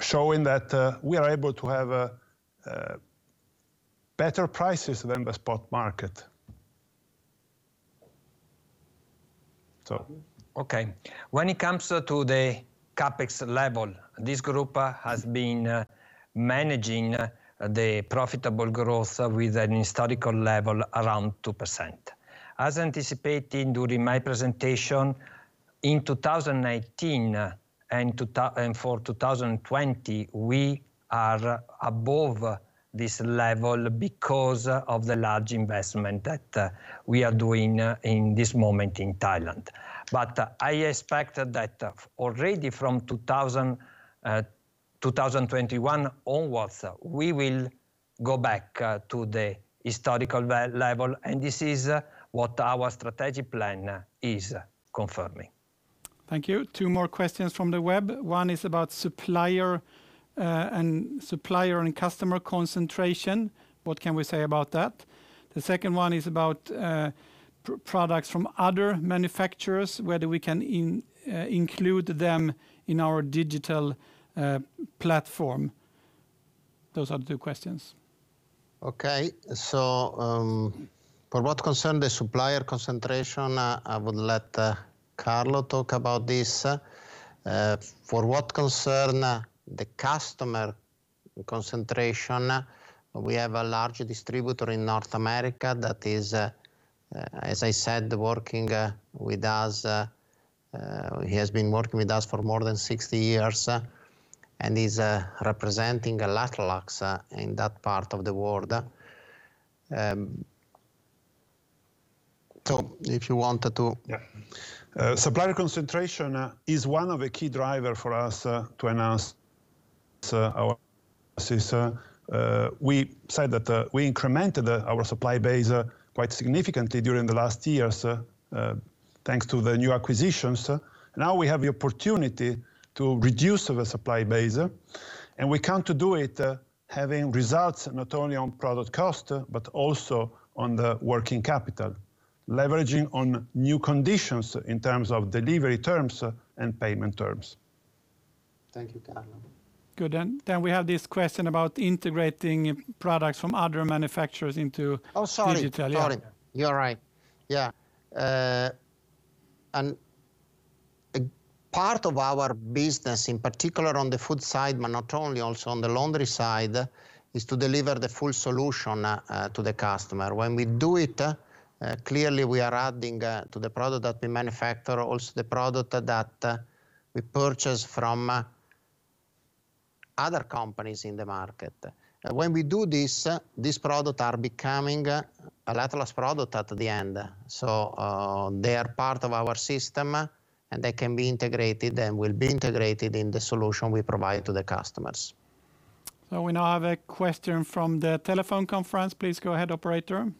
showing that we are able to have better prices than the spot market. Okay. When it comes to the CapEx level, this group has been managing the profitable growth with an historical level around 2%. As anticipated during my presentation, in 2019 and for 2020, we are above this level because of the large investment that we are doing in this moment in Thailand. I expect that already from 2021 onwards, we will go back to the historical level, and this is what our strategic plan is confirming. Thank you. Two more questions from the web. One is about supplier and customer concentration. What can we say about that? The second one is about products from other manufacturers, whether we can include them in our digital platform. Those are the two questions. For what concern the supplier concentration, I would let Carlo talk about this. For what concern the customer concentration, we have a large distributor in North America that is, as I said, working with us. He has been working with us for more than 60 years and is representing Electrolux in that part of the world. If you want to Yeah. Supplier concentration is one of the key driver for us to announce our. We said that we incremented our supply base quite significantly during the last years, thanks to the new acquisitions. Now we have the opportunity to reduce the supply base. We come to do it having results not only on product cost, but also on the working capital, leveraging on new conditions in terms of delivery terms and payment terms. Thank you, Carlo. Good. Then we have this question about integrating products from other manufacturers into Oh, sorry Digital. Yeah. Sorry. You're right. Part of our business, in particular on the food side, but not only, also on the laundry side, is to deliver the full solution to the customer. When we do it, clearly we are adding to the product that we manufacture, also the product that we purchase from other companies in the market. When we do this, these products are becoming Electrolux product at the end. They are part of our system, and they can be integrated and will be integrated in the solution we provide to the customers. We now have a question from the telephone conference. Please go ahead, operator.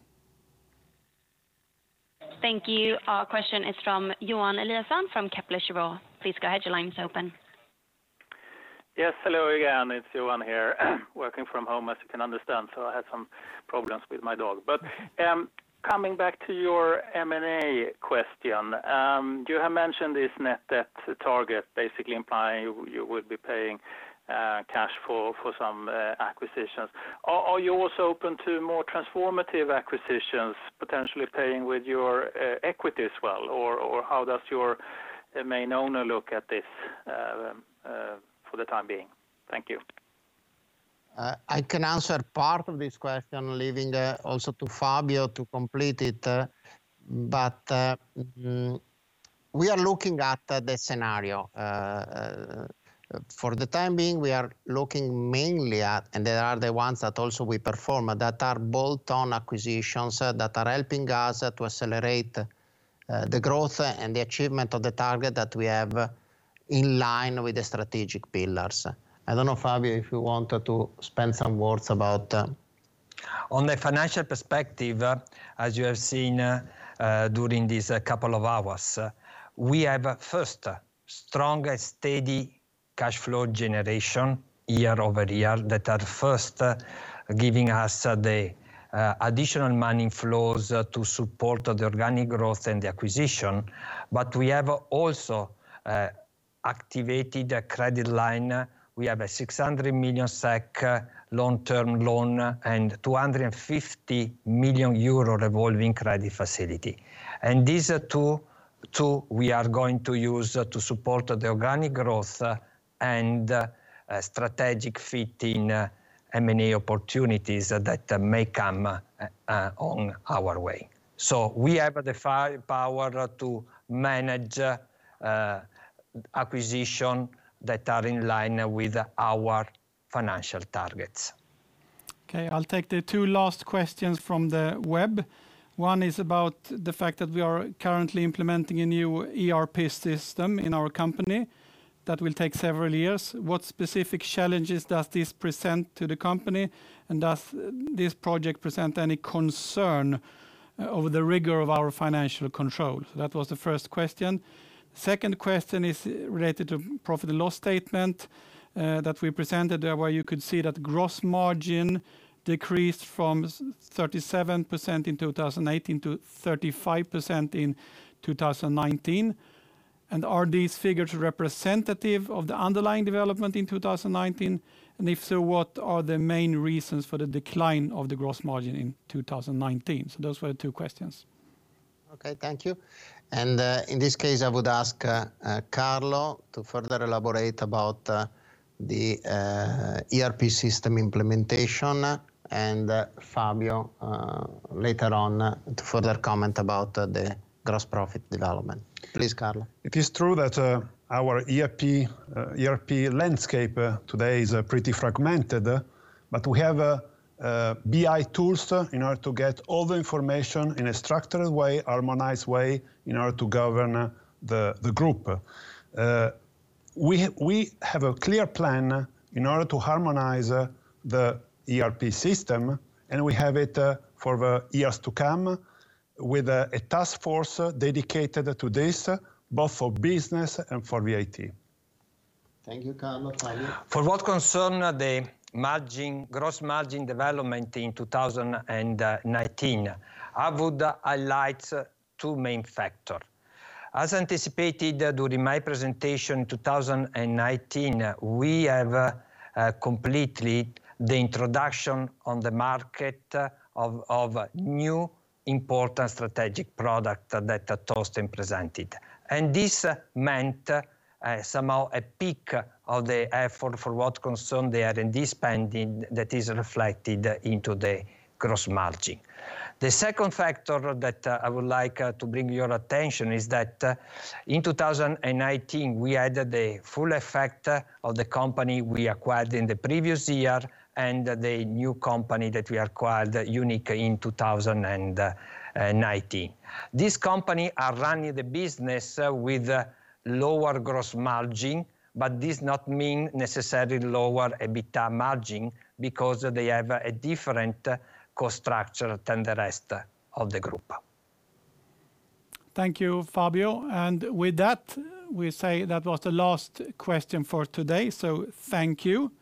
Thank you. Our question is from Johan Eliason from Kepler Cheuvreux. Please go ahead. Your line's open. Yes. Hello again. It's Johan here, working from home, as you can understand, so I have some problems with my dog. Coming back to your M&A question, you have mentioned this net debt target, basically implying you would be paying cash for some acquisitions. Are you also open to more transformative acquisitions, potentially paying with your equity as well? How does your? The main owner look at this for the time being. Thank you. I can answer part of this question, leaving also to Fabio to complete it. We are looking at the scenario. For the time being, we are looking mainly at, and they are the ones that also we perform, that are bolt-on acquisitions that are helping us to accelerate the growth and the achievement of the target that we have in line with the strategic pillars. I don't know, Fabio, if you wanted to spend some words about. On the financial perspective, as you have seen during these couple of hours, we have first, strong and steady cash flow generation year over year that are first giving us the additional money flows to support the organic growth and the acquisition. We have also activated a credit line. We have a 600 million SEK long-term loan and 250 million euro revolving credit facility. These two we are going to use to support the organic growth and strategic fit in M&A opportunities that may come on our way. We have the firepower to manage acquisition that are in line with our financial targets. Okay, I'll take the two last questions from the web. One is about the fact that we are currently implementing a new ERP system in our company that will take several years. What specific challenges does this present to the company? Does this project present any concern over the rigor of our financial control? That was the first question. Second question is related to profit and loss statement that we presented, where you could see that gross margin decreased from 37% in 2018 to 35% in 2019. Are these figures representative of the underlying development in 2019? If so, what are the main reasons for the decline of the gross margin in 2019? Those were the two questions. Okay, thank you. In this case, I would ask Carlo to further elaborate about the ERP system implementation and Fabio later on to further comment about the gross profit development. Please, Carlo. It is true that our ERP landscape today is pretty fragmented. We have BI tools in order to get all the information in a structured way, harmonized way, in order to govern the group. We have a clear plan in order to harmonize the ERP system. We have it for the years to come with a task force dedicated to this, both for business and for IT. Thank you, Carlo. Fabio? For what concern the gross margin development in 2019, I would highlight two main factor. As anticipated during my presentation 2019, we have completely the introduction on the market of new important strategic product that Torsten presented. This meant somehow a peak of the effort for what concerned the R&D spending that is reflected into the gross margin. The second factor that I would like to bring your attention is that in 2019, we added the full effect of the company we acquired in the previous year and the new company that we acquired, Unic, in 2019. These company are running the business with lower gross margin, but this not mean necessarily lower EBITDA margin because they have a different cost structure than the rest of the group. Thank you, Fabio. With that, we say that was the last question for today, so thank you.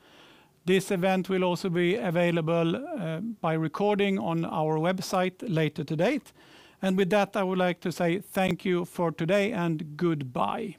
This event will also be available by recording on our website later to date. With that, I would like to say thank you for today and goodbye.